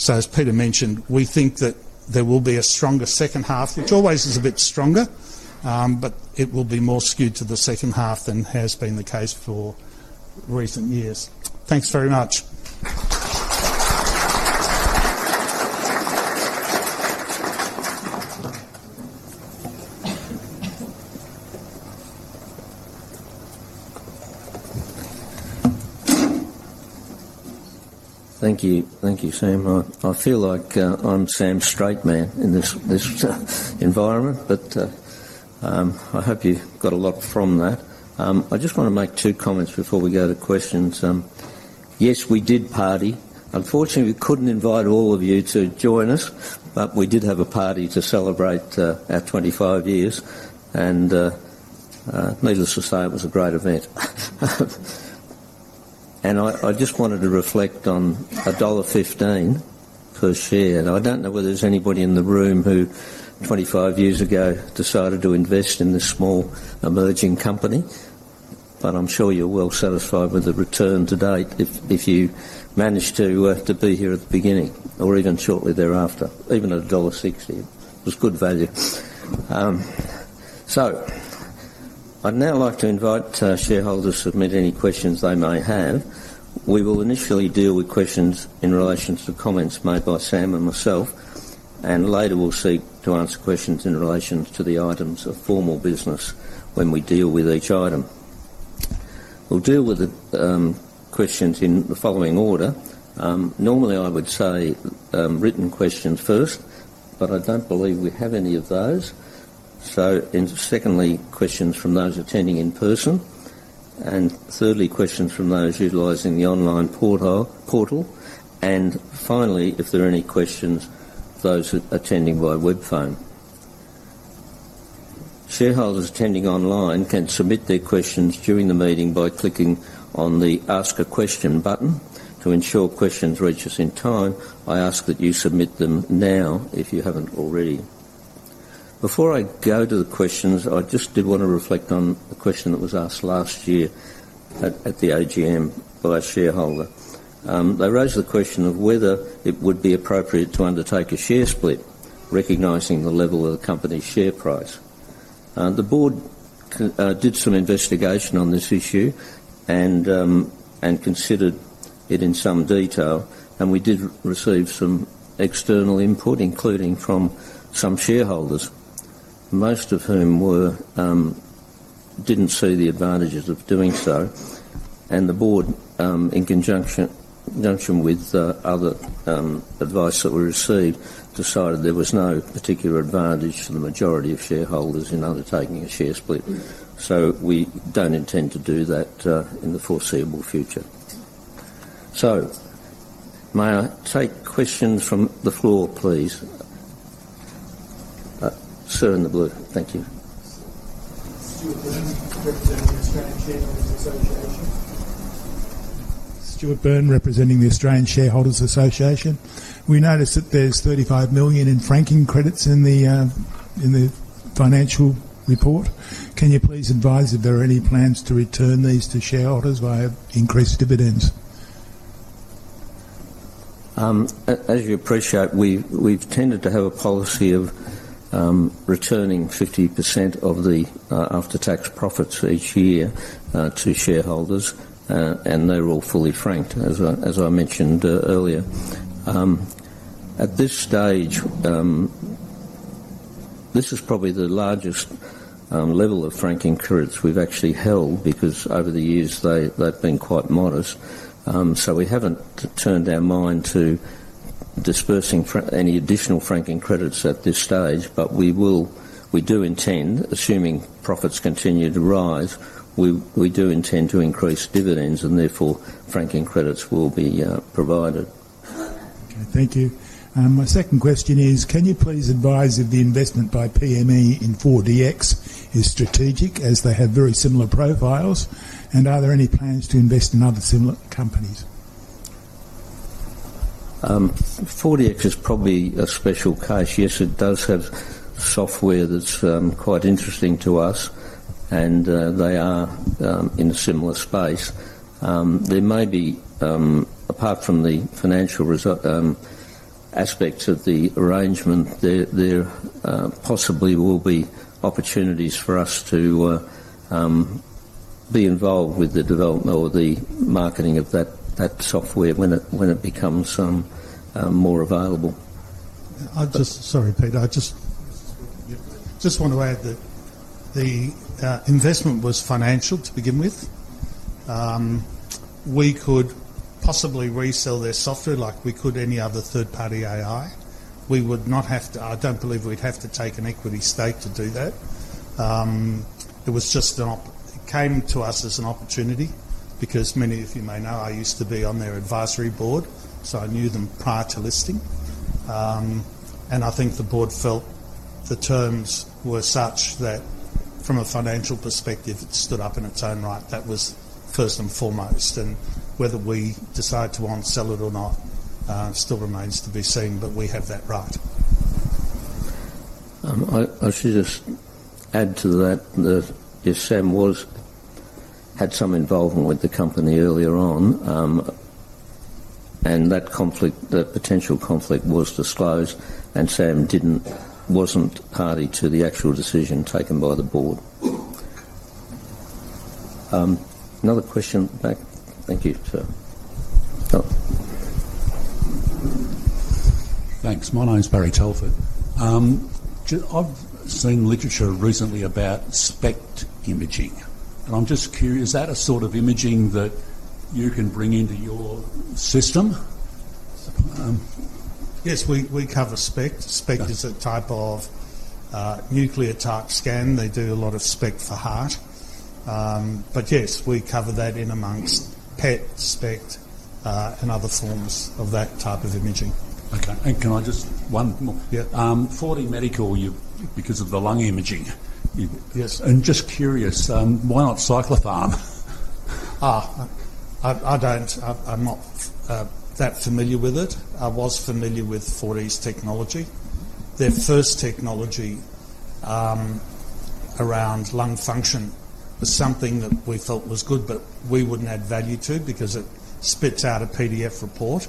As Peter mentioned, we think that there will be a stronger second half, which always is a bit stronger, but it will be more skewed to the second half than has been the case for recent years. Thanks very much. Thank you. Thank you, Sam. I feel like I'm Sam Straightman in this environment, but I hope you got a lot from that. I just want to make two comments before we go to questions. Yes, we did party. Unfortunately, we couldn't invite all of you to join us, but we did have a party to celebrate our 25 years. Needless to say, it was a great event. I just wanted to reflect on dollar 1.15 per share. I don't know whether there's anybody in the room who, 25 years ago, decided to invest in this small emerging company. I'm sure you're well satisfied with the return to date if you managed to be here at the beginning or even shortly thereafter. Even at dollar 1.60, it was good value. I would now like to invite shareholders to submit any questions they may have. We will initially deal with questions in relation to comments made by Sam and myself. Later, we'll seek to answer questions in relation to the items of formal business when we deal with each item. We'll deal with questions in the following order. Normally, I would say written questions first, but I don't believe we have any of those. Secondly, questions from those attending in person. Thirdly, questions from those utilizing the online portal. Finally, if there are any questions, those attending by web phone. Shareholders attending online can submit their questions during the meeting by clicking on the Ask a Question button. To ensure questions reach us in time, I ask that you submit them now if you haven't already. Before I go to the questions, I just did want to reflect on a question that was asked last year at the AGM by a shareholder. They raised the question of whether it would be appropriate to undertake a share split, recognizing the level of the company's share price. The board did some investigation on this issue and considered it in some detail. We did receive some external input, including from some shareholders, most of whom did not see the advantages of doing so. The board, in conjunction with other advice that we received, decided there was no particular advantage for the majority of shareholders in undertaking a share split. We do not intend to do that in the foreseeable future. May I take questions from the floor, please? Sir in the blue. Thank you. Stuart Byrne, representing the Australian Shareholders Association. We noticed that there's 35 million in franking credits in the financial report. Can you please advise if there are any plans to return these to shareholders via increased dividends? As you appreciate, we've tended to have a policy of returning 50% of the after-tax profits each year to shareholders, and they're all fully franked, as I mentioned earlier. At this stage, this is probably the largest level of franking credits we've actually held because over the years, they've been quite modest. We haven't turned our mind to disbursing any additional franking credits at this stage. We do intend, assuming profits continue to rise, we do intend to increase dividends, and therefore, franking credits will be provided. Okay. Thank you. My second question is, can you please advise if the investment by PME in 4DMedical is strategic as they have very similar profiles? Are there any plans to invest in other similar companies? 4DMedical is probably a special case. Yes, it does have software that's quite interesting to us, and they are in a similar space. There may be, apart from the financial aspects of the arrangement, there possibly will be opportunities for us to be involved with the development or the marketing of that software when it becomes more available. Sorry, Peter. I just want to add that the investment was financial to begin with. We could possibly resell their software like we could any other third-party AI. We would not have to—I don't believe we'd have to take an equity stake to do that. It was just an—it came to us as an opportunity because many of you may know I used to be on their advisory board, so I knew them prior to listing. I think the board felt the terms were such that, from a financial perspective, it stood up in its own right. That was first and foremost. Whether we decide to unsell it or not still remains to be seen, but we have that right. I should just add to that that if Sam had some involvement with the company earlier on and that potential conflict was disclosed and Sam was not party to the actual decision taken by the board. Another question back? Thank you, sir. Thanks. My name's Barry Telford. I've seen literature recently about SPECT imaging. I'm just curious, is that a sort of imaging that you can bring into your system? Yes, we cover SPECT. SPECT is a type of nuclear type scan. They do a lot of SPECT for heart. Yes, we cover that in amongst PET, SPECT, and other forms of that type of imaging. Okay. Can I just—one more. 4DMedical, because of the lung imaging. Just curious, why not Cyclopharm? I'm not that familiar with it. I was familiar with 4D's technology. Their first technology around lung function was something that we felt was good, but we wouldn't add value to because it spits out a PDF report.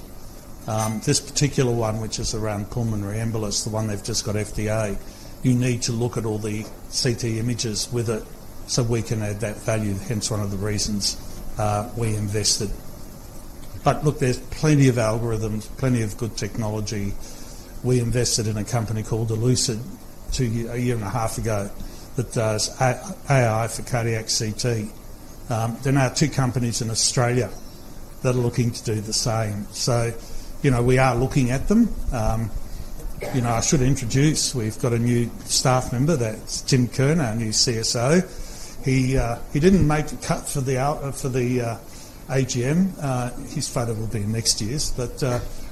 This particular one, which is around pulmonary embolus, the one they've just got FDA, you need to look at all the CT images with it so we can add that value. Hence, one of the reasons we invested. Look, there's plenty of algorithms, plenty of good technology. We invested in a company called Elucid a year and a half ago that does AI for cardiac CT. There are now two companies in Australia that are looking to do the same. We are looking at them. I should introduce, we've got a new staff member. That's Tim Kern, our new CSO. He didn't make the cut for the AGM. His photo will be next year's.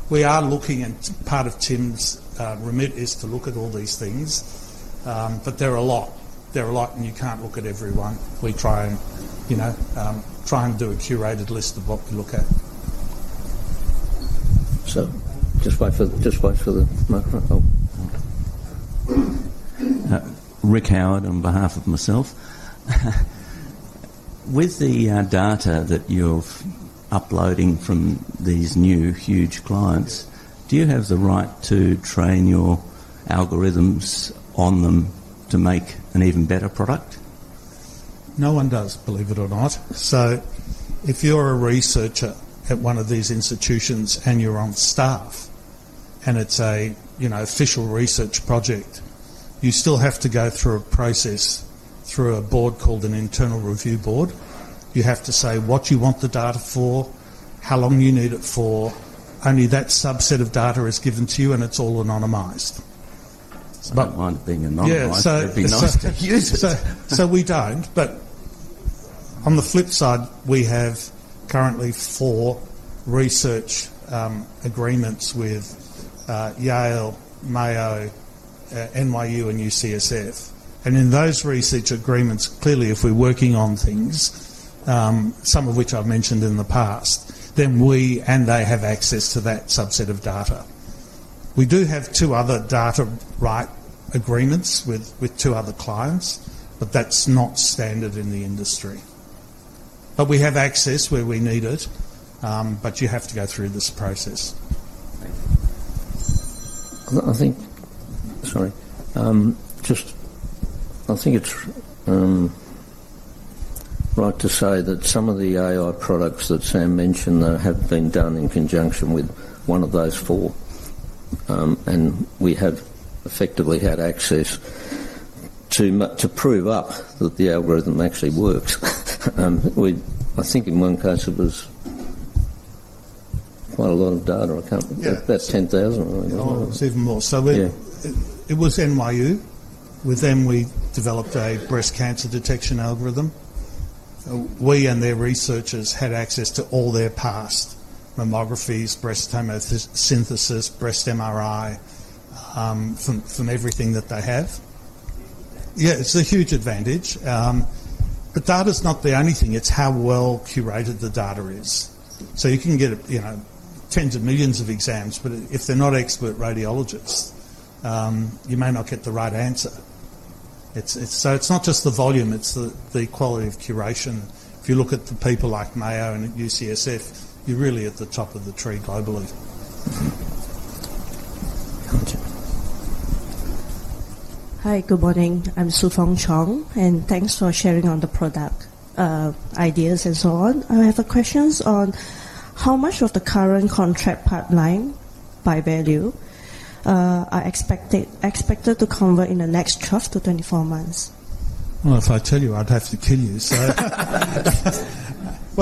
We are looking at part of Tim's remit is to look at all these things. There are a lot. There are a lot, and you can't look at everyone. We try and do a curated list of what we look at. Just wait for the microphone. Rick Howard on behalf of myself. With the data that you're uploading from these new huge clients, do you have the right to train your algorithms on them to make an even better product? No one does, believe it or not. If you're a researcher at one of these institutions and you're on staff and it's an official research project, you still have to go through a process through a board called an internal review board. You have to say what you want the data for, how long you need it for. Only that subset of data is given to you, and it's all anonymized. It might have been anonymized. Yeah. We don't. On the flip side, we have currently four research agreements with Yale, Mayo, NYU, and UCSF. In those research agreements, clearly, if we're working on things, some of which I've mentioned in the past, then we and they have access to that subset of data. We do have two other data right agreements with two other clients, but that's not standard in the industry. We have access where we need it, but you have to go through this process. I think—sorry. I think it's right to say that some of the AI products that Sam mentioned have been done in conjunction with one of those four. We have effectively had access to prove up that the algorithm actually works. I think in one case, it was quite a lot of data. About 10,000, I think. No. It was even more. It was NYU. With them, we developed a breast cancer detection algorithm. We and their researchers had access to all their past mammographies, breast tomosynthesis, breast MRI, from everything that they have. Yeah. It's a huge advantage. Data's not the only thing. It's how well curated the data is. You can get tens of millions of exams, but if they're not expert radiologists, you may not get the right answer. It's not just the volume. It's the quality of curation. If you look at the people like Mayo and UCSF, you're really at the top of the tree globally. Hi. Good morning. I'm Sufeng Chong, and thanks for sharing on the product ideas and so on. I have a question on how much of the current contract pipeline by value are expected to convert in the next 12 to 24 months? If I tell you, I'd have to kill you.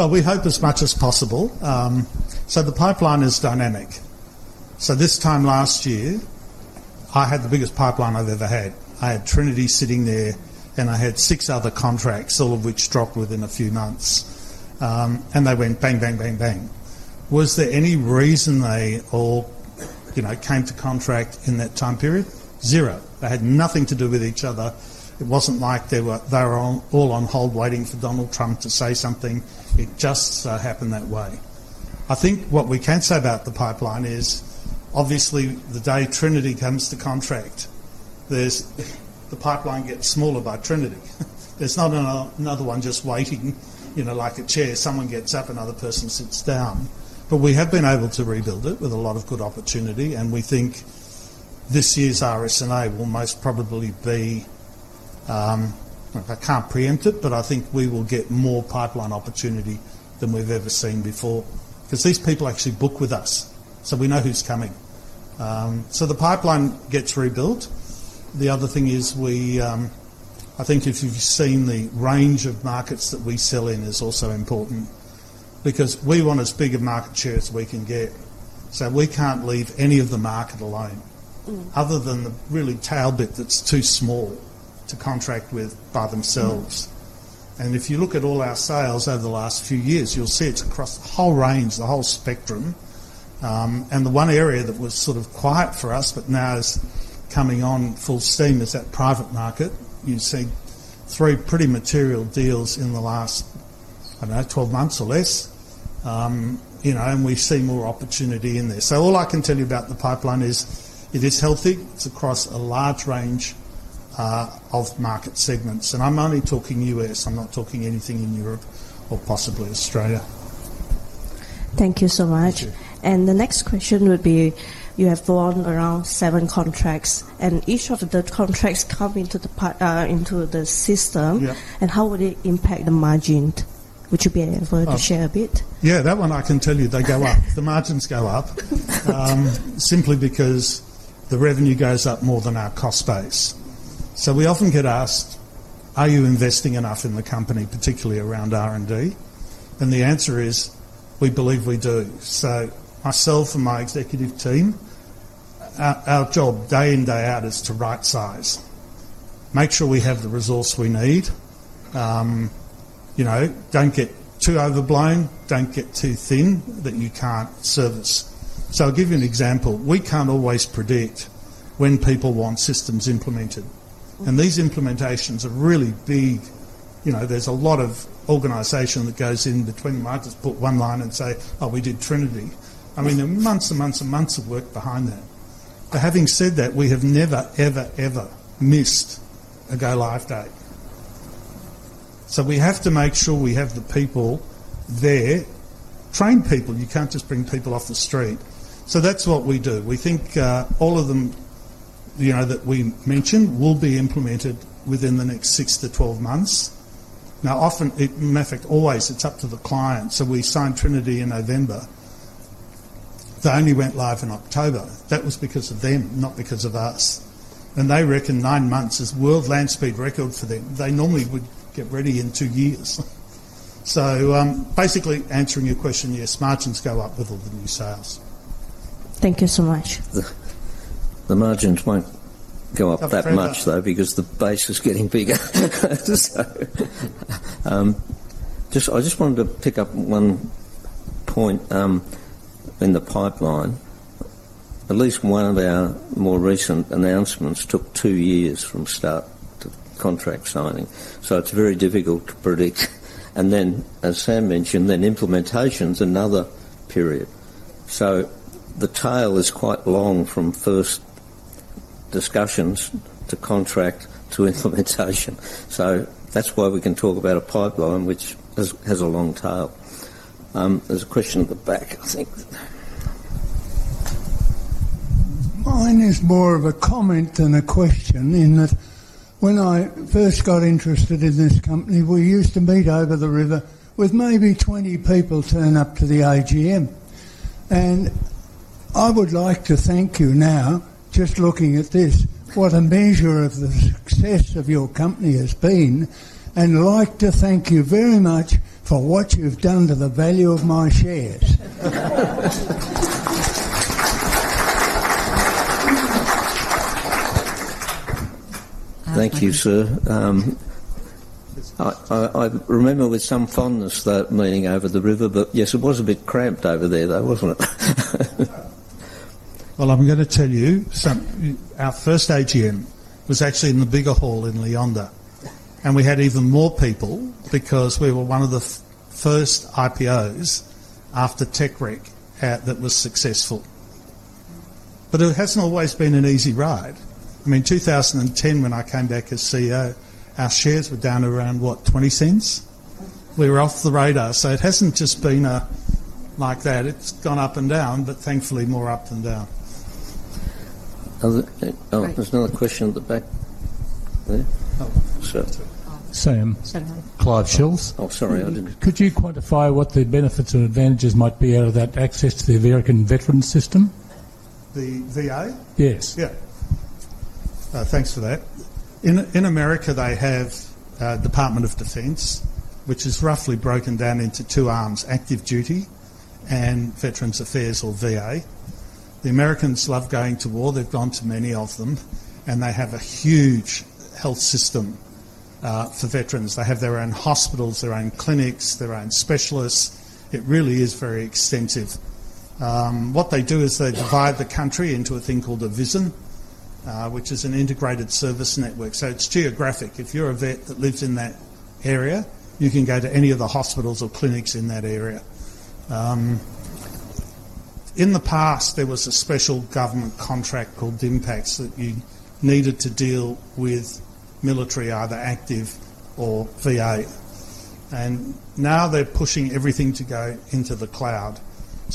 We hope as much as possible. The pipeline is dynamic. This time last year, I had the biggest pipeline I have ever had. I had Trinity sitting there, and I had six other contracts, all of which dropped within a few months. They went bang, bang, bang, bang. Was there any reason they all came to contract in that time period? Zero. They had nothing to do with each other. It was not like they were all on hold waiting for Donald Trump to say something. It just happened that way. I think what we can say about the pipeline is, obviously, the day Trinity comes to contract, the pipeline gets smaller by Trinity. There is not another one just waiting like a chair. Someone gets up, another person sits down. We have been able to rebuild it with a lot of good opportunity. We think this year's RSNA will most probably be—I can't preempt it, but I think we will get more pipeline opportunity than we've ever seen before because these people actually book with us. We know who's coming. The pipeline gets rebuilt. The other thing is, I think if you've seen the range of markets that we sell in is also important because we want as big a market share as we can get. We can't leave any of the market alone other than the really tail bit that's too small to contract with by themselves. If you look at all our sales over the last few years, you'll see it's across the whole range, the whole spectrum. The one area that was sort of quiet for us but now is coming on full steam is that private market. You've seen three pretty material deals in the last, I don't know, 12 months or less. We see more opportunity in there. All I can tell you about the pipeline is it is healthy. It's across a large range of market segments. I'm only talking U.S. I'm not talking anything in Europe or possibly Australia. Thank you so much. The next question would be you have gone around seven contracts. Each of the contracts come into the system. How would it impact the margin? Would you be able to share a bit? Yeah. That one I can tell you. They go up. The margins go up simply because the revenue goes up more than our cost base. We often get asked, "Are you investing enough in the company, particularly around R&D?" The answer is, "We believe we do." Myself and my executive team, our job day in, day out is to right-size, make sure we have the resource we need. Don't get too overblown. Don't get too thin that you can't service us. I'll give you an example. We can't always predict when people want systems implemented. These implementations are really big. There's a lot of organization that goes in between the markets to put one line and say, "Oh, we did Trinity." I mean, there are months and months and months of work behind that. Having said that, we have never, ever, ever missed a go-live date. We have to make sure we have the people there, trained people. You can't just bring people off the street. That's what we do. We think all of them that we mentioned will be implemented within the next 6-12 months. Now, often, in fact, always, it's up to the client. We signed Trinity in November. They only went live in October. That was because of them, not because of us. They reckon nine months is world land speed record for them. They normally would get ready in two years. Basically, answering your question, yes, margins go up with all the new sales. Thank you so much. The margin won't go up that much, though, because the base is getting bigger. I just wanted to pick up one point in the pipeline. At least one of our more recent announcements took two years from start to contract signing. It's very difficult to predict. As Sam mentioned, then implementation's another period. The tail is quite long from first discussions to contract to implementation. That is why we can talk about a pipeline which has a long tail. There is a question at the back, I think. Mine is more of a comment than a question in that when I first got interested in this company, we used to meet over the river with maybe 20 people turned up to the AGM. I would like to thank you now, just looking at this, what a measure of the success of your company has been. I would like to thank you very much for what you have done to the value of my shares. Thank you, sir. I remember with some fondness that meeting over the river, but yes, it was a bit cramped over there, though, was it not? I'm going to tell you, our first AGM was actually in the bigger hall in Leonda. We had even more people because we were one of the first IPOs after the Tech Wreck that was successful. It hasn't always been an easy ride. I mean, in 2010, when I came back as CEO, our shares were down around, what, 0.20? We were off the radar. It hasn't just been like that. It's gone up and down, but thankfully more up than down. There's another question at the back there. Sam. Clive Shilfs. Oh, sorry. Could you quantify what the benefits and advantages might be out of that access to the American veteran system? The VA? Yes. Yeah. Thanks for that. In America, they have Department of Defense, which is roughly broken down into two arms, active duty and Veterans Affairs or VA. The Americans love going to war. They've gone to many of them. They have a huge health system for veterans. They have their own hospitals, their own clinics, their own specialists. It really is very extensive. What they do is they divide the country into a thing called a VISN, which is an integrated service network. It is geographic. If you're a vet that lives in that area, you can go to any of the hospitals or clinics in that area. In the past, there was a special government contract called DIMPACS that you needed to deal with military, either active or VA. Now they're pushing everything to go into the cloud.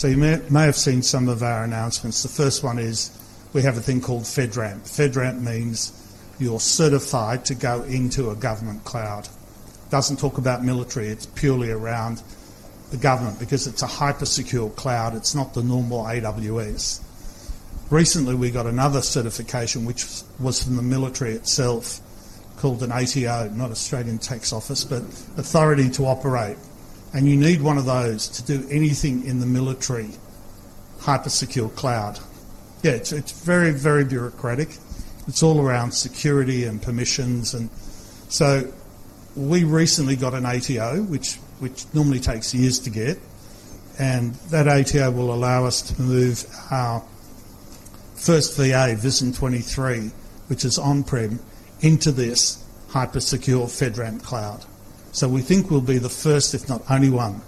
You may have seen some of our announcements. The first one is we have a thing called FedRAMP. FedRAMP means you're certified to go into a government cloud. It doesn't talk about military. It's purely around the government because it's a hypersecure cloud. It's not the normal AWS. Recently, we got another certification, which was from the military itself, called an ATO, not Australian Tax Office, but authority to operate. You need one of those to do anything in the military hypersecure cloud. Yeah. It's very, very bureaucratic. It's all around security and permissions. We recently got an ATO, which normally takes years to get. That ATO will allow us to move our first VA, VISN 23, which is on-prem, into this hypersecure FedRAMP cloud. We think we'll be the first, if not only one,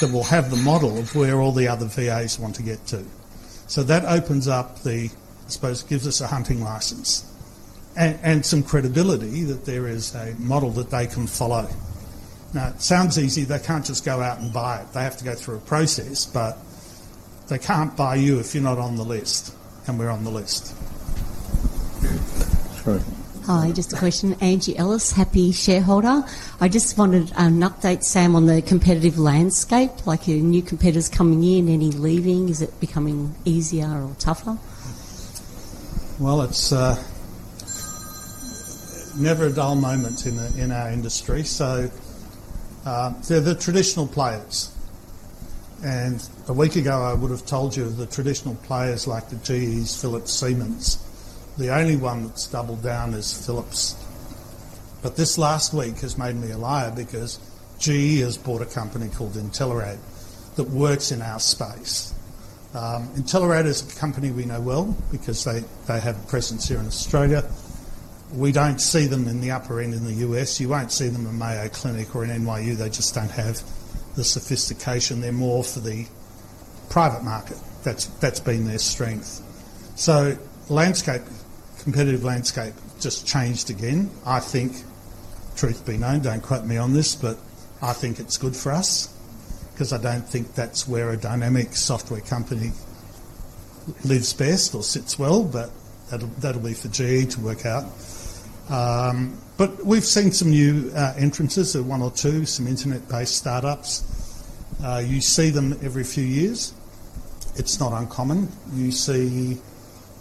that will have the model of where all the other VAs want to get to. That opens up the, I suppose, gives us a hunting license and some credibility that there is a model that they can follow. Now, it sounds easy. They can't just go out and buy it. They have to go through a process. But they can't buy you if you're not on the list. And we're on the list. Hi. Just a question. Angie Ellis, happy shareholder. I just wanted an update, Sam, on the competitive landscape. New competitors coming in? Any leaving? Is it becoming easier or tougher? It's never a dull moment in our industry. There are the traditional players. A week ago, I would have told you the traditional players like the GEs, Philips, Siemens. The only one that's doubled down is Philips. This last week has made me a liar because GE has bought a company called Intelerad that works in our space. Intelerad is a company we know well because they have a presence here in Australia. We don't see them in the upper end in the U.S. You won't see them in Mayo Clinic or in NYU. They just don't have the sophistication. They're more for the private market. That's been their strength. The competitive landscape just changed again. I think, truth be known, don't quote me on this, but I think it's good for us because I don't think that's where a dynamic software company lives best or sits well. That'll be for GE to work out. We've seen some new entrants, one or two, some internet-based startups. You see them every few years. It's not uncommon. You see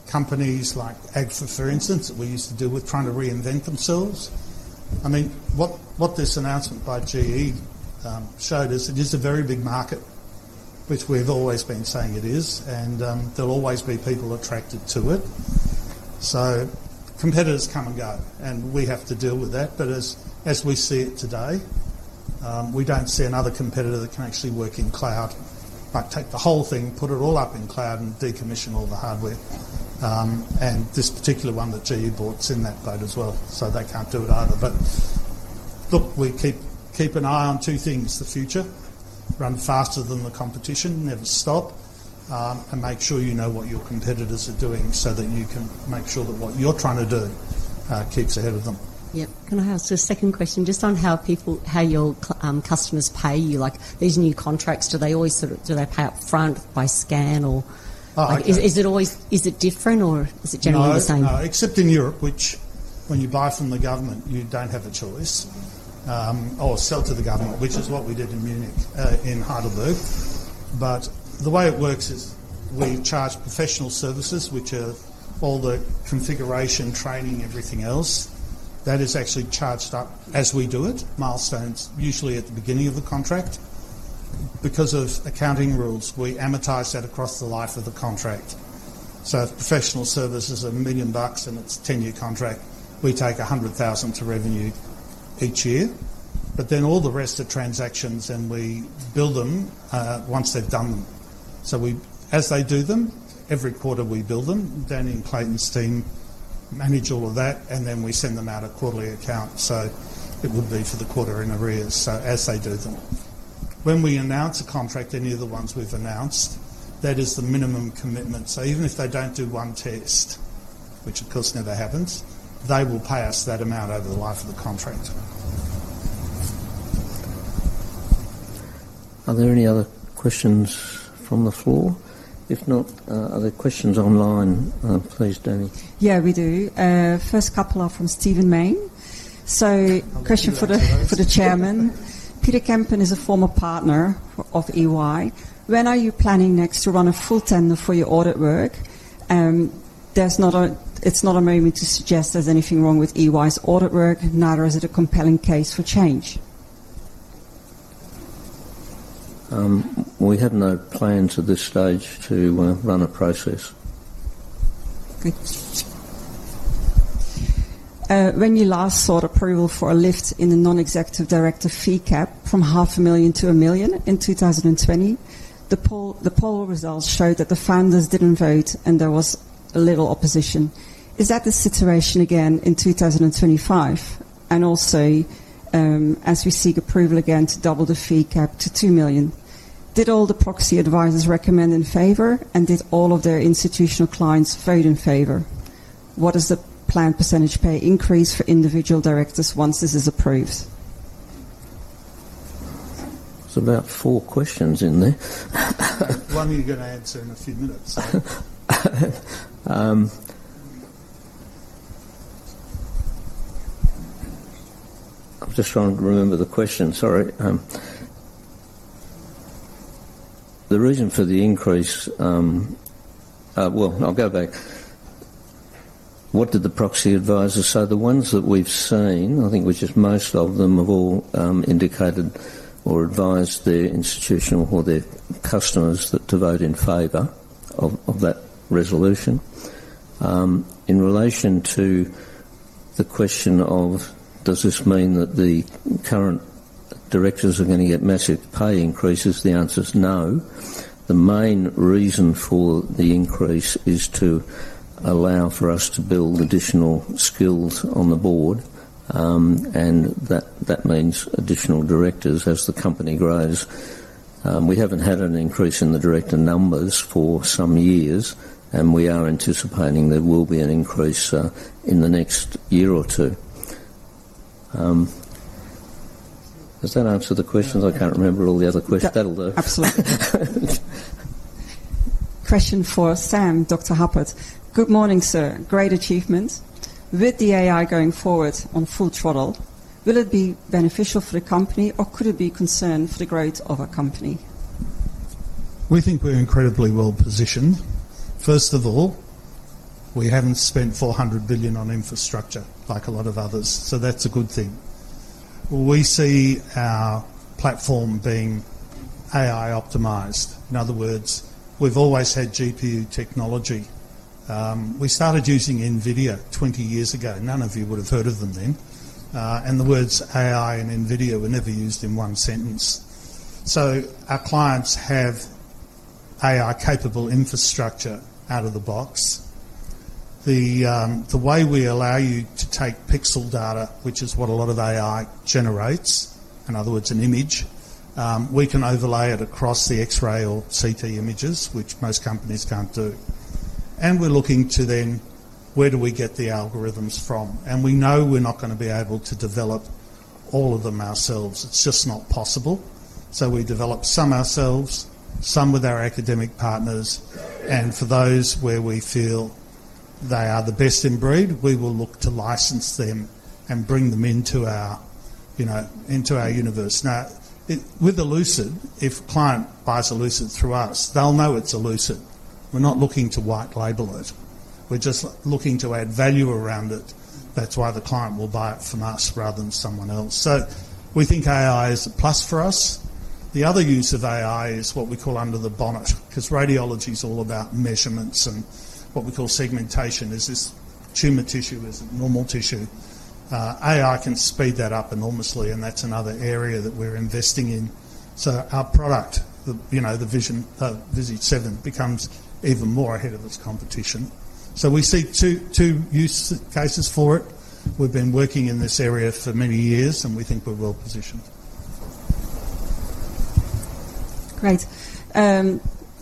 companies like Agfa, for instance, that we used to deal with trying to reinvent themselves. I mean, what this announcement by GE showed is it is a very big market, which we've always been saying it is. There will always be people attracted to it. Competitors come and go. We have to deal with that. As we see it today, we don't see another competitor that can actually work in cloud, take the whole thing, put it all up in cloud, and decommission all the hardware. This particular one that GE bought is in that boat as well. They can't do it either. Look, we keep an eye on two things: the future, run faster than the competition, never stop, and make sure you know what your competitors are doing so that you can make sure that what you're trying to do keeps ahead of them. Yep. Can I ask a second question just on how your customers pay you? These new contracts, do they always sort of do they pay upfront by scan? Or is it different? Or is it generally the same? Except in Europe, which when you buy from the government, you do not have a choice or sell to the government, which is what we did in Munich in Heidelberg. The way it works is we charge professional services, which are all the configuration, training, everything else. That is actually charged up as we do it. Milestones, usually at the beginning of the contract. Because of accounting rules, we amortize that across the life of the contract. If professional service is 1 million bucks and it is a 10-year contract, we take 100,000 to revenue each year. All the rest are transactions, and we bill them once they have done them. As they do them, every quarter we bill them. Danny and Clayton's team manage all of that. We send them out a quarterly account. It would be for the quarter in arrears. As they do them. When we announce a contract, any of the ones we've announced, that is the minimum commitment. Even if they don't do one test, which of course never happens, they will pay us that amount over the life of the contract. Are there any other questions from the floor? If not, are there questions online? Please, Danny. Yeah, we do. First couple are from Stephen Mayne. Question for the chairman. Peter Kempen is a former partner of Ernst & Young. When are you planning next to run a full tender for your audit work? It's not a moment to suggest there's anything wrong with Ernst & Young's audit work, nor is it a compelling case for change. We have no plans at this stage to run a process. When you last sought approval for a lift in the non-executive director fee cap from 500,000 to 1 million in 2020, the poll results showed that the founders did not vote, and there was little opposition. Is that the situation again in 2025? Also, as we seek approval again to double the fee cap to 2 million, did all the proxy advisors recommend in favor, and did all of their institutional clients vote in favor? What is the planned percentage pay increase for individual directors once this is approved? There is about four questions in there. One you are going to answer in a few minutes. I am just trying to remember the question. Sorry. The reason for the increase, I will go back. What did the proxy advisors say? The ones that we've seen, I think which is most of them, have all indicated or advised their institutional or their customers to vote in favor of that resolution. In relation to the question of does this mean that the current directors are going to get massive pay increases, the answer is no. The main reason for the increase is to allow for us to build additional skills on the board. That means additional directors as the company grows. We haven't had an increase in the director numbers for some years, and we are anticipating there will be an increase in the next year or two. Does that answer the questions? I can't remember all the other questions. That'll do. Absolutely. Question for Sam, Dr. Hupert. Good morning, sir. Great achievement. With the AI going forward on full throttle, will it be beneficial for the company, or could it be a concern for the growth of our company? We think we're incredibly well positioned. First of all, we haven't spent 400 billion on infrastructure like a lot of others. That's a good thing. We see our platform being AI-optimized. In other words, we've always had GPU technology. We started using NVIDIA 20 years ago. None of you would have heard of them then. The words AI and NVIDIA were never used in one sentence. Our clients have AI-capable infrastructure out of the box. The way we allow you to take pixel data, which is what a lot of AI generates, in other words, an image, we can overlay it across the X-ray or CT images, which most companies can't do. We are looking to then, where do we get the algorithms from? We know we are not going to be able to develop all of them ourselves. It is just not possible. We develop some ourselves, some with our academic partners. For those where we feel they are the best in breed, we will look to license them and bring them into our universe. Now, with Elucid, if a client buys Elucid through us, they will know it is Elucid. We are not looking to white-label it. We are just looking to add value around it. That is why the client will buy it from us rather than someone else. We think AI is a plus for us. The other use of AI is what we call under the bonnet, because radiology is all about measurements and what we call segmentation. Is this tumor tissue? Is it normal tissue? AI can speed that up enormously. That is another area that we are investing in. Our product, the Visage 7, becomes even more ahead of its competition. We see two use cases for it. We have been working in this area for many years, and we think we are well positioned. Great.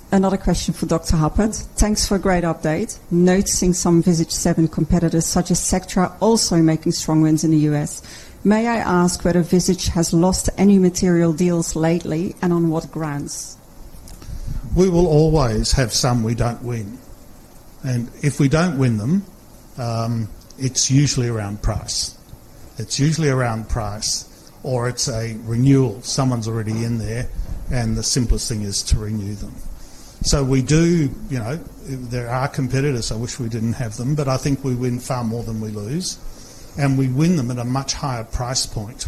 Another question for Dr. Hupert. Thanks for a great update. Noticing some Visage 7 competitors such as Sectra also making strong wins in the U.S. May I ask whether Visage has lost any material deals lately and on what grounds? We will always have some we do not win. If we do not win them, it is usually around price. It is usually around price, or it is a renewal. Someone is already in there, and the simplest thing is to renew them. There are competitors. I wish we did not have them. I think we win far more than we lose. We win them at a much higher price point.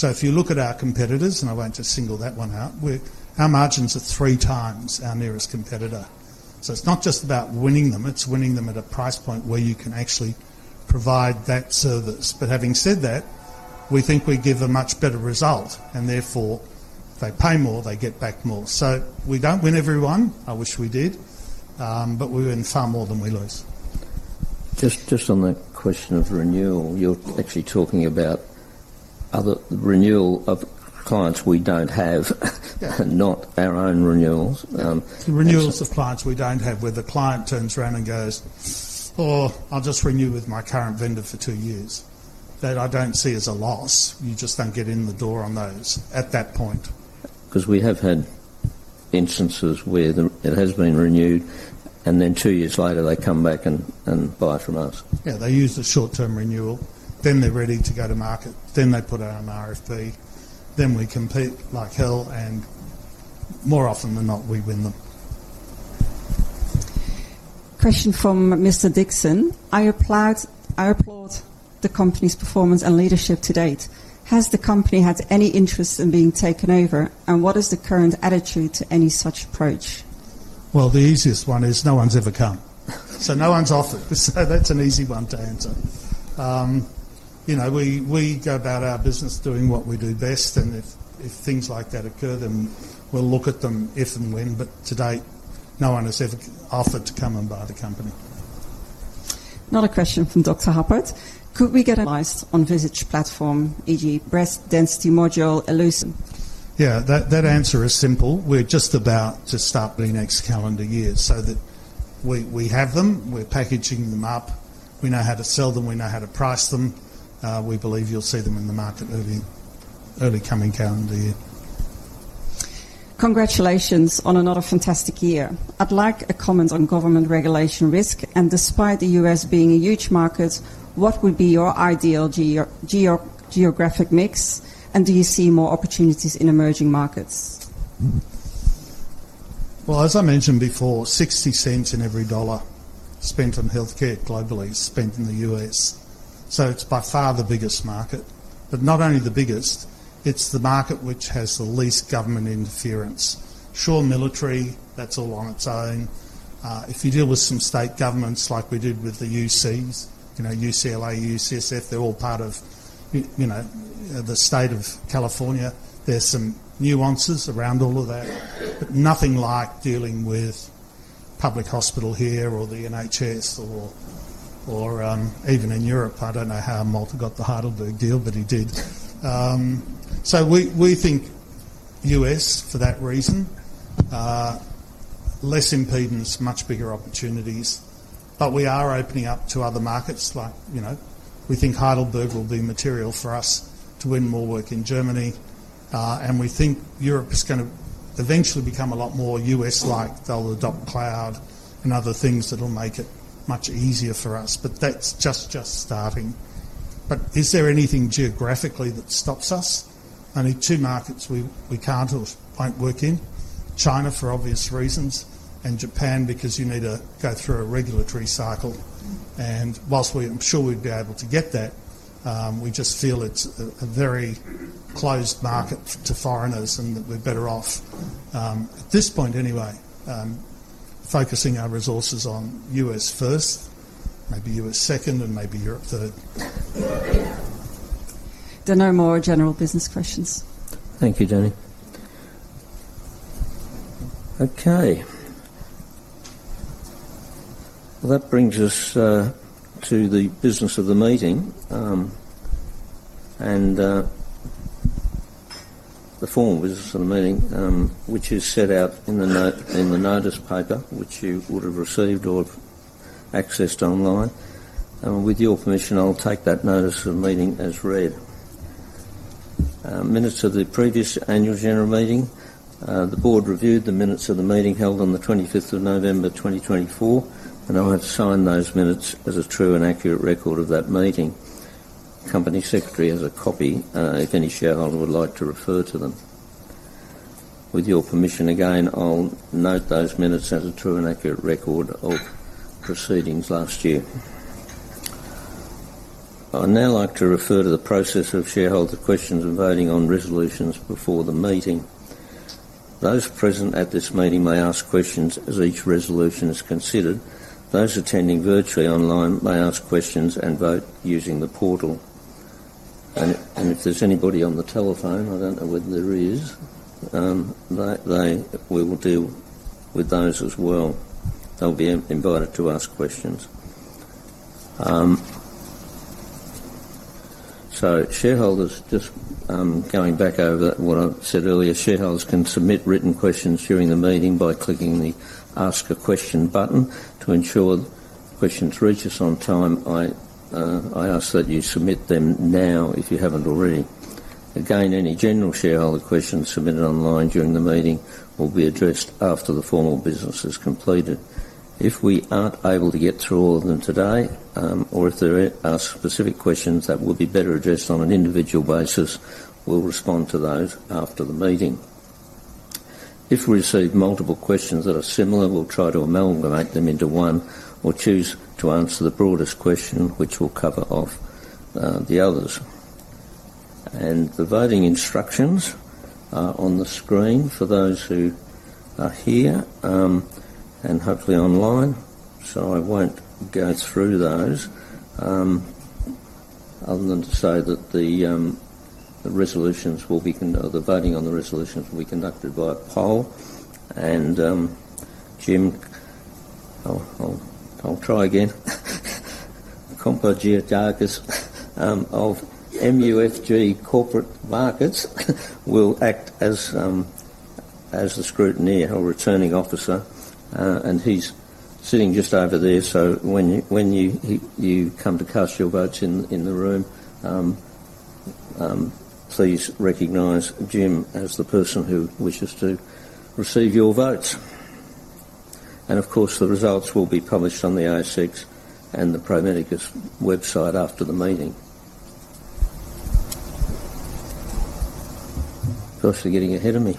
If you look at our competitors, and I won't just single that one out, our margins are three times our nearest competitor. It is not just about winning them. It is winning them at a price point where you can actually provide that service. Having said that, we think we give a much better result. Therefore, they pay more. They get back more. We do not win everyone. I wish we did. We win far more than we lose. Just on the question of renewal, you are actually talking about renewal of clients we do not have, not our own renewals. Renewals of clients we don't have, where the client turns around and goes, "Oh, I'll just renew with my current vendor for two years." That I don't see as a loss. You just don't get in the door on those at that point. Because we have had instances where it has been renewed, and then two years later, they come back and buy from us. Yeah. They use a short-term renewal. Then they're ready to go to market. They put it on RFP. We compete like hell. More often than not, we win them. Question from Mr. Dixon. I applaud the company's performance and leadership to date. Has the company had any interest in being taken over? What is the current attitude to any such approach? The easiest one is no one's ever come. No one's offered. That's an easy one to answer. We go about our business doing what we do best. If things like that occur, then we'll look at them if and when. To date, no one has ever offered to come and buy the company. Another question from Dr. Hupert. Could we get licensed on Visage's platform, e.g., breast density module, Elucid? Yeah. That answer is simple. We're just about to start the next calendar year so that we have them. We're packaging them up. We know how to sell them. We know how to price them. We believe you'll see them in the market early coming calendar year. Congratulations on another fantastic year. I'd like a comment on government regulation risk. Despite the US being a huge market, what would be your ideal geographic mix? Do you see more opportunities in emerging markets? As I mentioned before, 0.60 in every dollar spent on healthcare globally is spent in the U.S. It is by far the biggest market. Not only the biggest, it is the market which has the least government interference. Sure, military, that is all on its own. If you deal with some state governments like we did with the UCs, UCLA, UCSF, they are all part of the state of California. There are some nuances around all of that. Nothing like dealing with public hospital here or the NHS or even in Europe. I do not know how Malte got the Heidelberg deal, but he did. We think U.S. for that reason. Less impedance, much bigger opportunities. We are opening up to other markets. We think Heidelberg will be material for us to win more work in Germany. We think Europe is going to eventually become a lot more U.S.-like. They'll adopt cloud and other things that will make it much easier for us. That's just starting. Is there anything geographically that stops us? Only two markets we can't or won't work in: China for obvious reasons and Japan because you need to go through a regulatory cycle. Whilst I'm sure we'd be able to get that, we just feel it's a very closed market to foreigners and that we're better off, at this point anyway, focusing our resources on U.S. first, maybe U.S. second, and maybe Europe third. There are no more general business questions. Thank you, Danny. Okay. That brings us to the business of the meeting and the formal business of the meeting, which is set out in the notice paper, which you would have received or accessed online. With your permission, I'll take that notice of the meeting as read. Minutes of the previous annual general meeting. The board reviewed the minutes of the meeting held on the 25th of November 2024. I have signed those minutes as a true and accurate record of that meeting. Company Secretary has a copy if any shareholder would like to refer to them. With your permission, again, I'll note those minutes as a true and accurate record of proceedings last year. I'd now like to refer to the process of shareholder questions and voting on resolutions before the meeting. Those present at this meeting may ask questions as each resolution is considered. Those attending virtually online may ask questions and vote using the portal. If there's anybody on the telephone, I don't know whether there is, we will deal with those as well. They'll be invited to ask questions. Shareholders, just going back over what I said earlier, shareholders can submit written questions during the meeting by clicking the Ask a Question button. To ensure questions reach us on time, I ask that you submit them now if you have not already. Again, any general shareholder questions submitted online during the meeting will be addressed after the formal business is completed. If we are not able to get through all of them today, or if there are specific questions that would be better addressed on an individual basis, we will respond to those after the meeting. If we receive multiple questions that are similar, we will try to amalgamate them into one or choose to answer the broadest question, which will cover off the others. The voting instructions are on the screen for those who are here and hopefully online. I won't go through those other than to say that the voting on the resolutions will be conducted by a poll. Jim, I'll try again. Compared to your targets, MUFG Corporate Markets will act as the scrutineer or returning officer, and he's sitting just over there. When you come to cast your votes in the room, please recognize Jim as the person who wishes to receive your votes. The results will be published on the ASX and the Pro Medicus website after the meeting. They're getting ahead of me.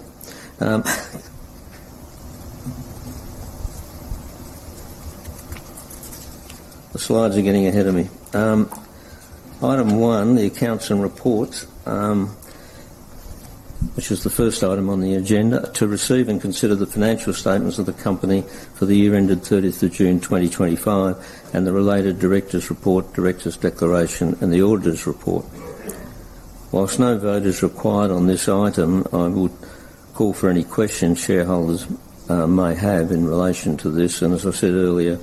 The slides are getting ahead of me. Item one, the accounts and reports, which is the first item on the agenda, to receive and consider the financial statements of the company for the year ended 30th of June 2025 and the related director's report, director's declaration, and the auditor's report. Whilst no vote is required on this item, I would call for any questions shareholders may have in relation to this. As I said earlier,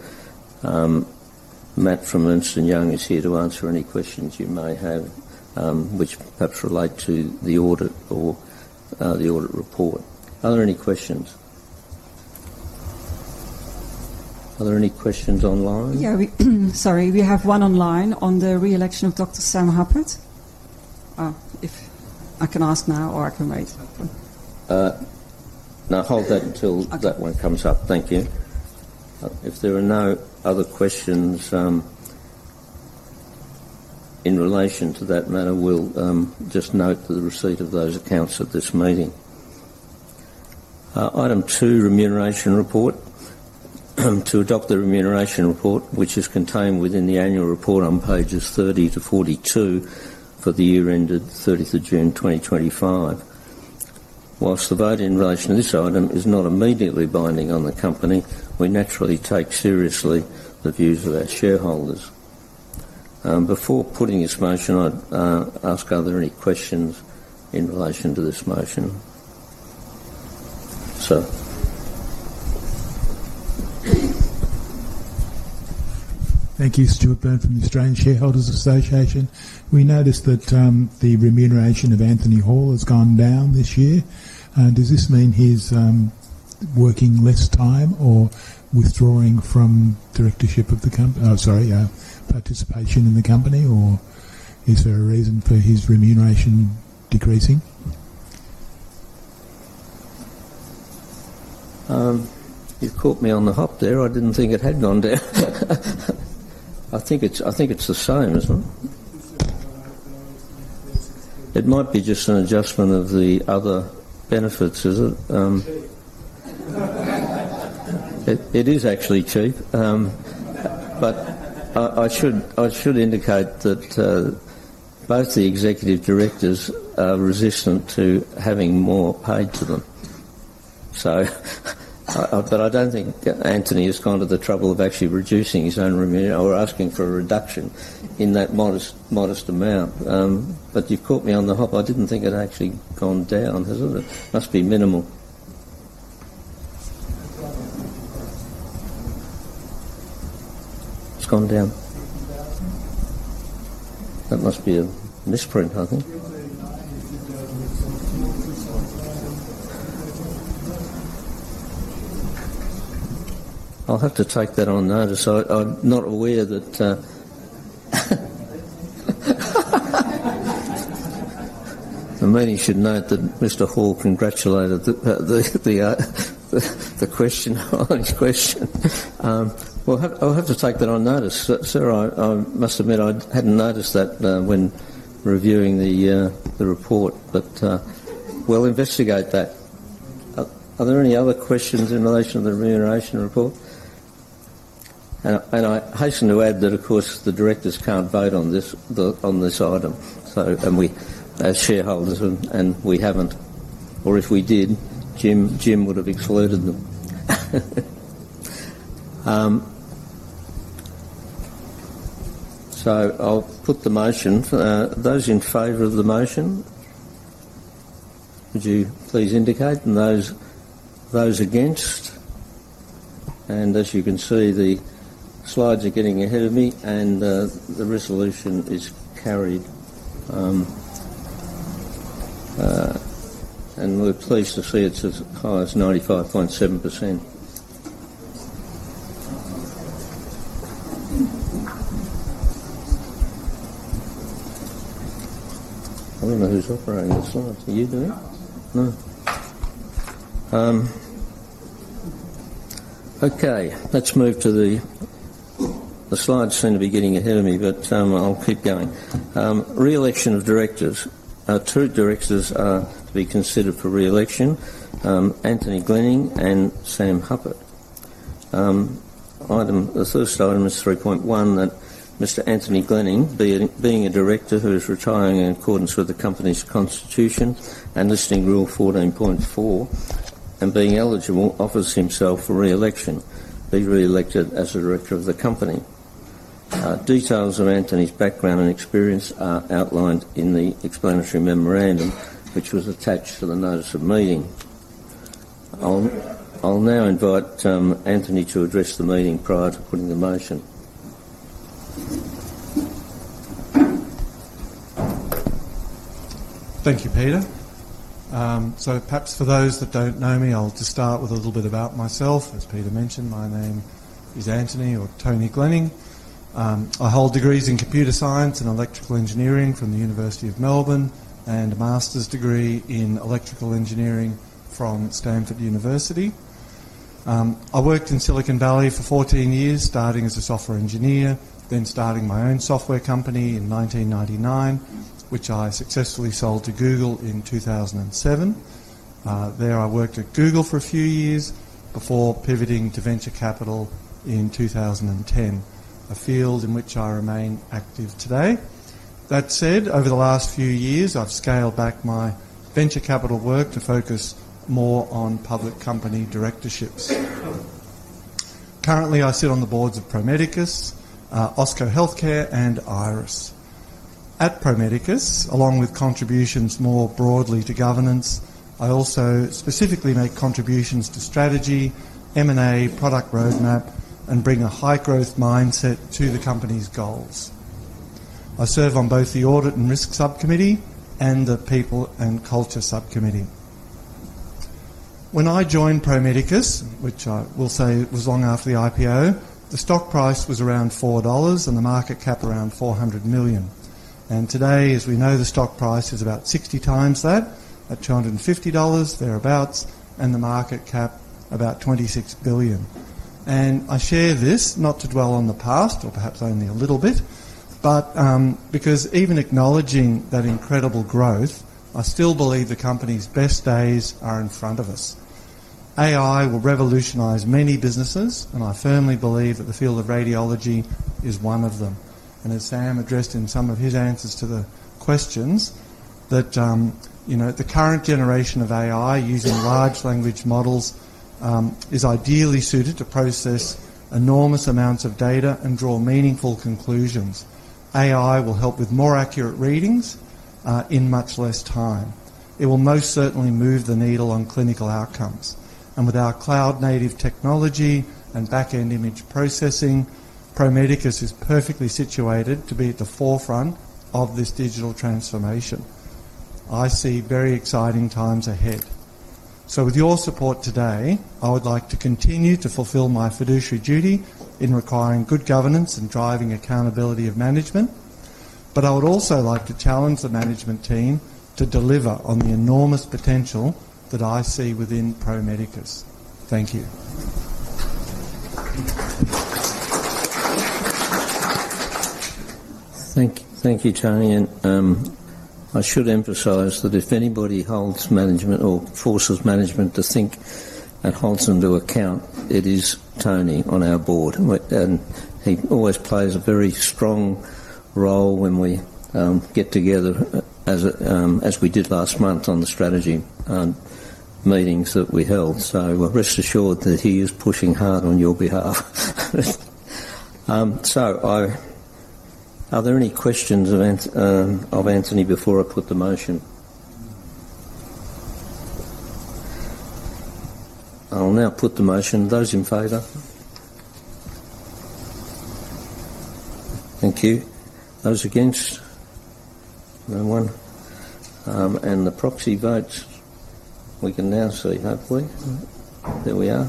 Matt from Ernst & Young is here to answer any questions you may have, which perhaps relate to the audit or the audit report. Are there any questions? Are there any questions online? Yeah. Sorry. We have one online on the re-election of Dr. Sam Hupert. I can ask now or I can wait. No, hold that until that one comes up. Thank you. If there are no other questions in relation to that matter, we'll just note the receipt of those accounts at this meeting. Item two, remuneration report. To adopt the remuneration report, which is contained within the annual report on pages 30 to 42 for the year ended 30th of June 2025. Whilst the vote in relation to this item is not immediately binding on the company, we naturally take seriously the views of our shareholders. Before putting this motion, I'd ask are there any questions in relation to this motion? Thank you, Stuart Byrne from the Australian Shareholders Association. We noticed that the remuneration of Anthony Hall has gone down this year. Does this mean he's working less time or withdrawing from directorship of the company? Oh, sorry, participation in the company? Or is there a reason for his remuneration decreasing? You caught me on the hop there. I didn't think it had gone down. I think it's the same, isn't it? It might be just an adjustment of the other benefits, is it? It is actually cheap. I should indicate that both the executive directors are resistant to having more paid to them. I don't think Anthony has gone to the trouble of actually reducing his own remuneration or asking for a reduction in that modest amount. You caught me on the hop. I didn't think it had actually gone down, has it? It must be minimal. It's gone down. That must be a misprint, I think. I'll have to take that on notice. I'm not aware that the meeting should note that Mr. Hall congratulated the question on his question. I'll have to take that on notice. Sir, I must admit I hadn't noticed that when reviewing the report. We'll investigate that. Are there any other questions in relation to the remuneration report? I hasten to add that, of course, the directors can't vote on this item. We as shareholders, and we haven't. Or if we did, Jim would have excluded them. I'll put the motion. Those in favor of the motion, would you please indicate? Those against? As you can see, the slides are getting ahead of me, and the resolution is carried. We're pleased to see it's as high as 95.7%. I don't know who's operating this slide. Are you doing it? No. Okay. Let's move to the slides. They seem to be getting ahead of me, but I'll keep going. Re-election of directors. Two directors are to be considered for re-election: Anthony Glenning and Sam Hupert. The first item is 3.1, that Mr. Anthony Glenning, being a director who is retiring in accordance with the company's constitution and listing rule 14.4, and being eligible, offers himself for re-election, be re-elected as a director of the company. Details of Anthony's background and experience are outlined in the explanatory memorandum, which was attached to the notice of meeting. I'll now invite Anthony to address the meeting prior to putting the motion. Thank you, Peter. Perhaps for those that don't know me, I'll just start with a little bit about myself. As Peter mentioned, my name is Anthony or Tony Glenning. I hold degrees in computer science and electrical engineering from the University of Melbourne and a master's degree in electrical engineering from Stanford University. I worked in Silicon Valley for 14 years, starting as a software engineer, then starting my own software company in 1999, which I successfully sold to Google in 2007. There I worked at Google for a few years before pivoting to venture capital in 2010, a field in which I remain active today. That said, over the last few years, I've scaled back my venture capital work to focus more on public company directorships. Currently, I sit on the boards of Pro Medicus, OSCO Healthcare, and IRIS. At Pro Medicus, along with contributions more broadly to governance, I also specifically make contributions to strategy, M&A, product roadmap, and bring a high-growth mindset to the company's goals. I serve on both the audit and risk subcommittee and the people and culture subcommittee. When I joined Pro Medicus, which I will say was long after the IPO, the stock price was around 4 dollars and the market cap around 400 million. The stock price is about 60 times that at 250 dollars thereabouts and the market cap about 26 billion. I share this not to dwell on the past or perhaps only a little bit, but because even acknowledging that incredible growth, I still believe the company's best days are in front of us. AI will revolutionize many businesses, and I firmly believe that the field of radiology is one of them. As Sam addressed in some of his answers to the questions, the current generation of AI using large language models is ideally suited to process enormous amounts of data and draw meaningful conclusions. AI will help with more accurate readings in much less time. It will most certainly move the needle on clinical outcomes. With our cloud-native technology and back-end image processing, Pro Medicus is perfectly situated to be at the forefront of this digital transformation. I see very exciting times ahead. With your support today, I would like to continue to fulfill my fiduciary duty in requiring good governance and driving accountability of management. I would also like to challenge the management team to deliver on the enormous potential that I see within Pro Medicus. Thank you. Thank you, Tony. I should emphasize that if anybody holds management or forces management to think and holds them to account, it is Tony on our board. He always plays a very strong role when we get together, as we did last month on the strategy meetings that we held. Rest assured that he is pushing hard on your behalf. Are there any questions of Anthony before I put the motion? I'll now put the motion. Those in favor? Thank you. Those against? No one. The proxy votes, we can now see, hopefully. There we are.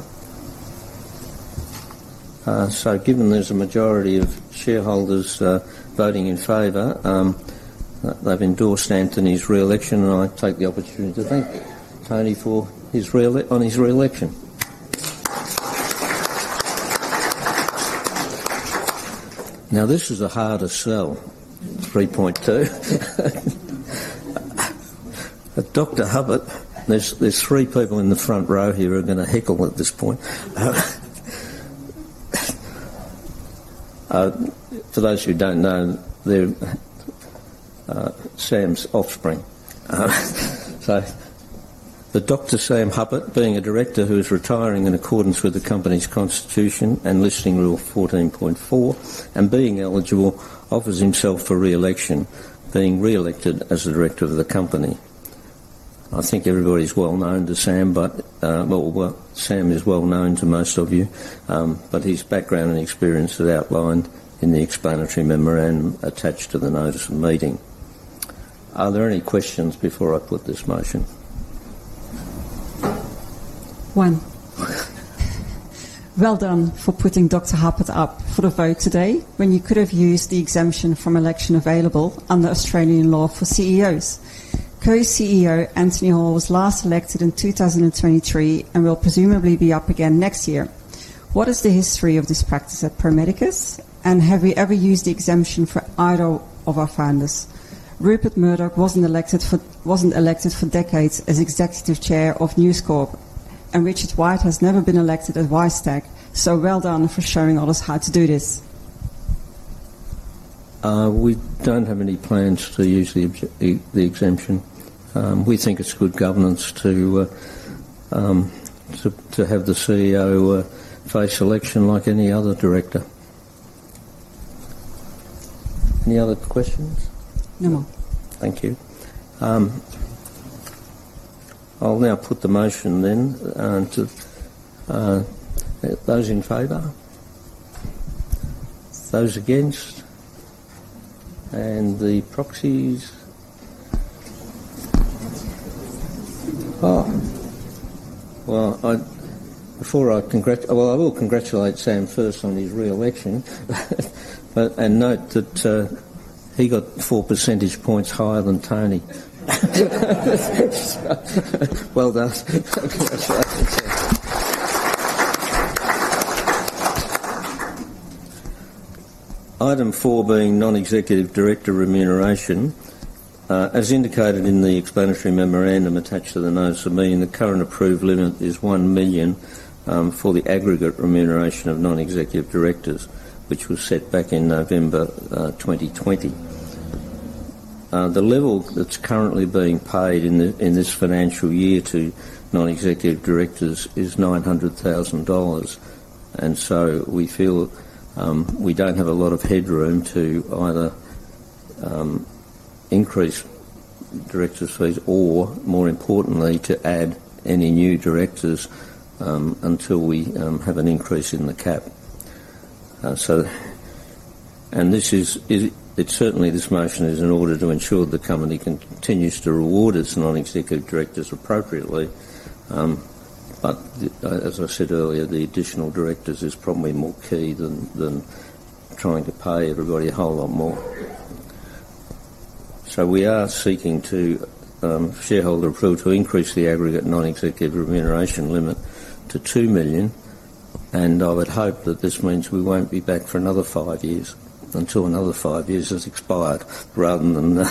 Given there is a majority of shareholders voting in favor, they have endorsed Anthony's re-election, and I take the opportunity to thank Tony for his re-election. This is a harder sell, 3.2. Dr. Huppert, there's three people in the front row here who are going to heckle at this point. For those who don't know, they're Sam's offspring. Dr. Sam Huppert, being a director who is retiring in accordance with the company's constitution and listing rule 14.4, and being eligible, offers himself for re-election, being re-elected as the director of the company. I think everybody's well known to Sam, but Sam is well known to most of you. His background and experience are outlined in the explanatory memorandum attached to the notice of meeting. Are there any questions before I put this motion? One. Well done for putting Dr. Hupert up for the vote today when you could have used the exemption from election available under Australian law for CEOs. Co-CEO Anthony Hall was last elected in 2023 and will presumably be up again next year. What is the history of this practice at Pro Medicus? And have we ever used the exemption for either of our founders? Rupert Murdoch wasn't elected for decades as executive chair of News Corp, and Richard White has never been elected at WiseTech. So well done for showing others how to do this. We don't have any plans to use the exemption. We think it's good governance to have the CEO face election like any other director. Any other questions? No more. Thank you. I'll now put the motion then. Those in favour? Those against? And the proxies? Before I congratulate—I will congratulate Sam first on his re-election and note that he got four percentage points higher than Tony. Well done. Item four, being non-executive director remuneration, as indicated in the explanatory memorandum attached to the notice of meeting and the current approved limit is 1 million for the aggregate remuneration of non-executive directors, which was set back in November 2020. The level that's currently being paid in this financial year to non-executive directors is 900,000 dollars. We feel we don't have a lot of headroom to either increase directors' fees or, more importantly, to add any new directors until we have an increase in the cap. This motion is in order to ensure the company continues to reward its non-executive directors appropriately. As I said earlier, the additional directors is probably more key than trying to pay everybody a whole lot more. We are seeking shareholder approval to increase the aggregate non-executive remuneration limit to 2 million. I would hope that this means we won't be back for another five years until another five years has expired rather than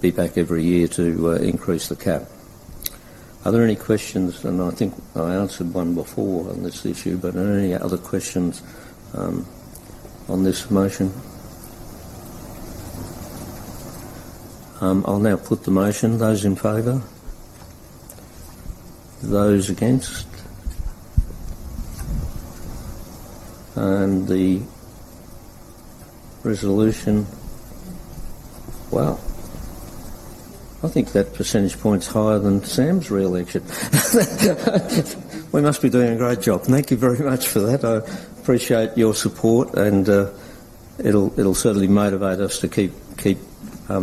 be back every year to increase the cap. Are there any questions? I think I answered one before on this issue, but are there any other questions on this motion? I'll now put the motion. Those in favour? Those against? The resolution? I think that percentage point's higher than Sam's re-election. We must be doing a great job. Thank you very much for that. I appreciate your support, and it'll certainly motivate us to keep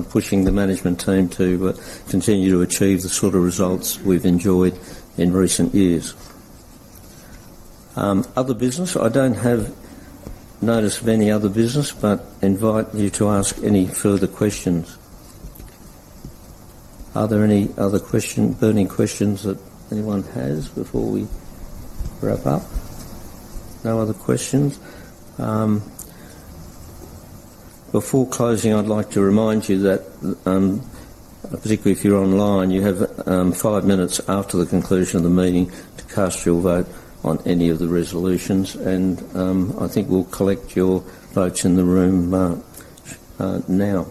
pushing the management team to continue to achieve the sort of results we've enjoyed in recent years. Other business? I don't have notice of any other business, but invite you to ask any further questions. Are there any other burning questions that anyone has before we wrap up? No other questions? Before closing, I'd like to remind you that, particularly if you're online, you have five minutes after the conclusion of the meeting to cast your vote on any of the resolutions. I think we'll collect your votes in the room now.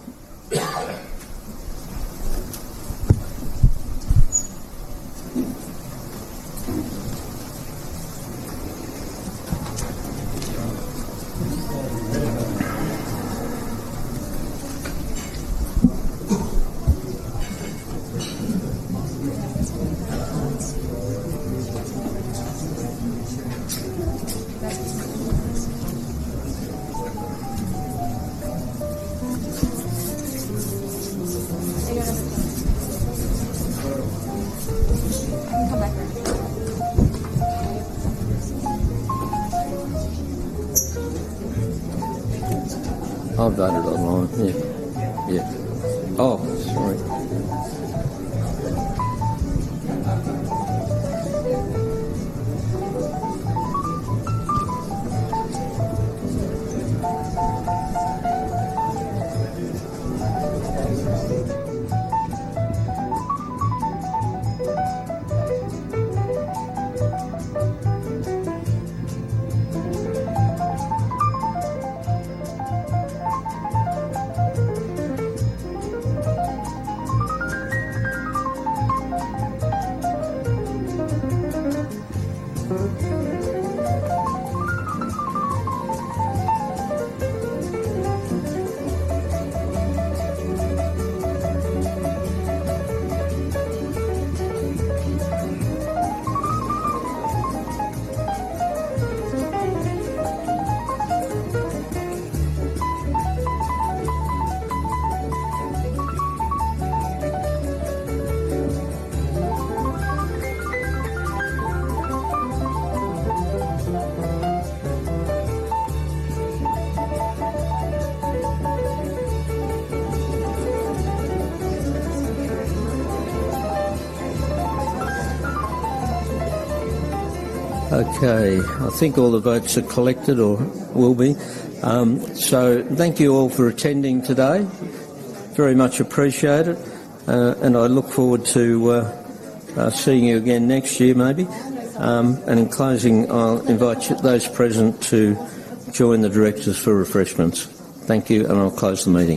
I've voted online. Yeah. Yeah. Oh, sorry. Okay. I think all the votes are collected or will be. Thank you all for attending today. Very much appreciated. I look forward to seeing you again next year, maybe. In closing, I'll invite those present to join the directors for refreshments. Thank you, and I'll close the meeting.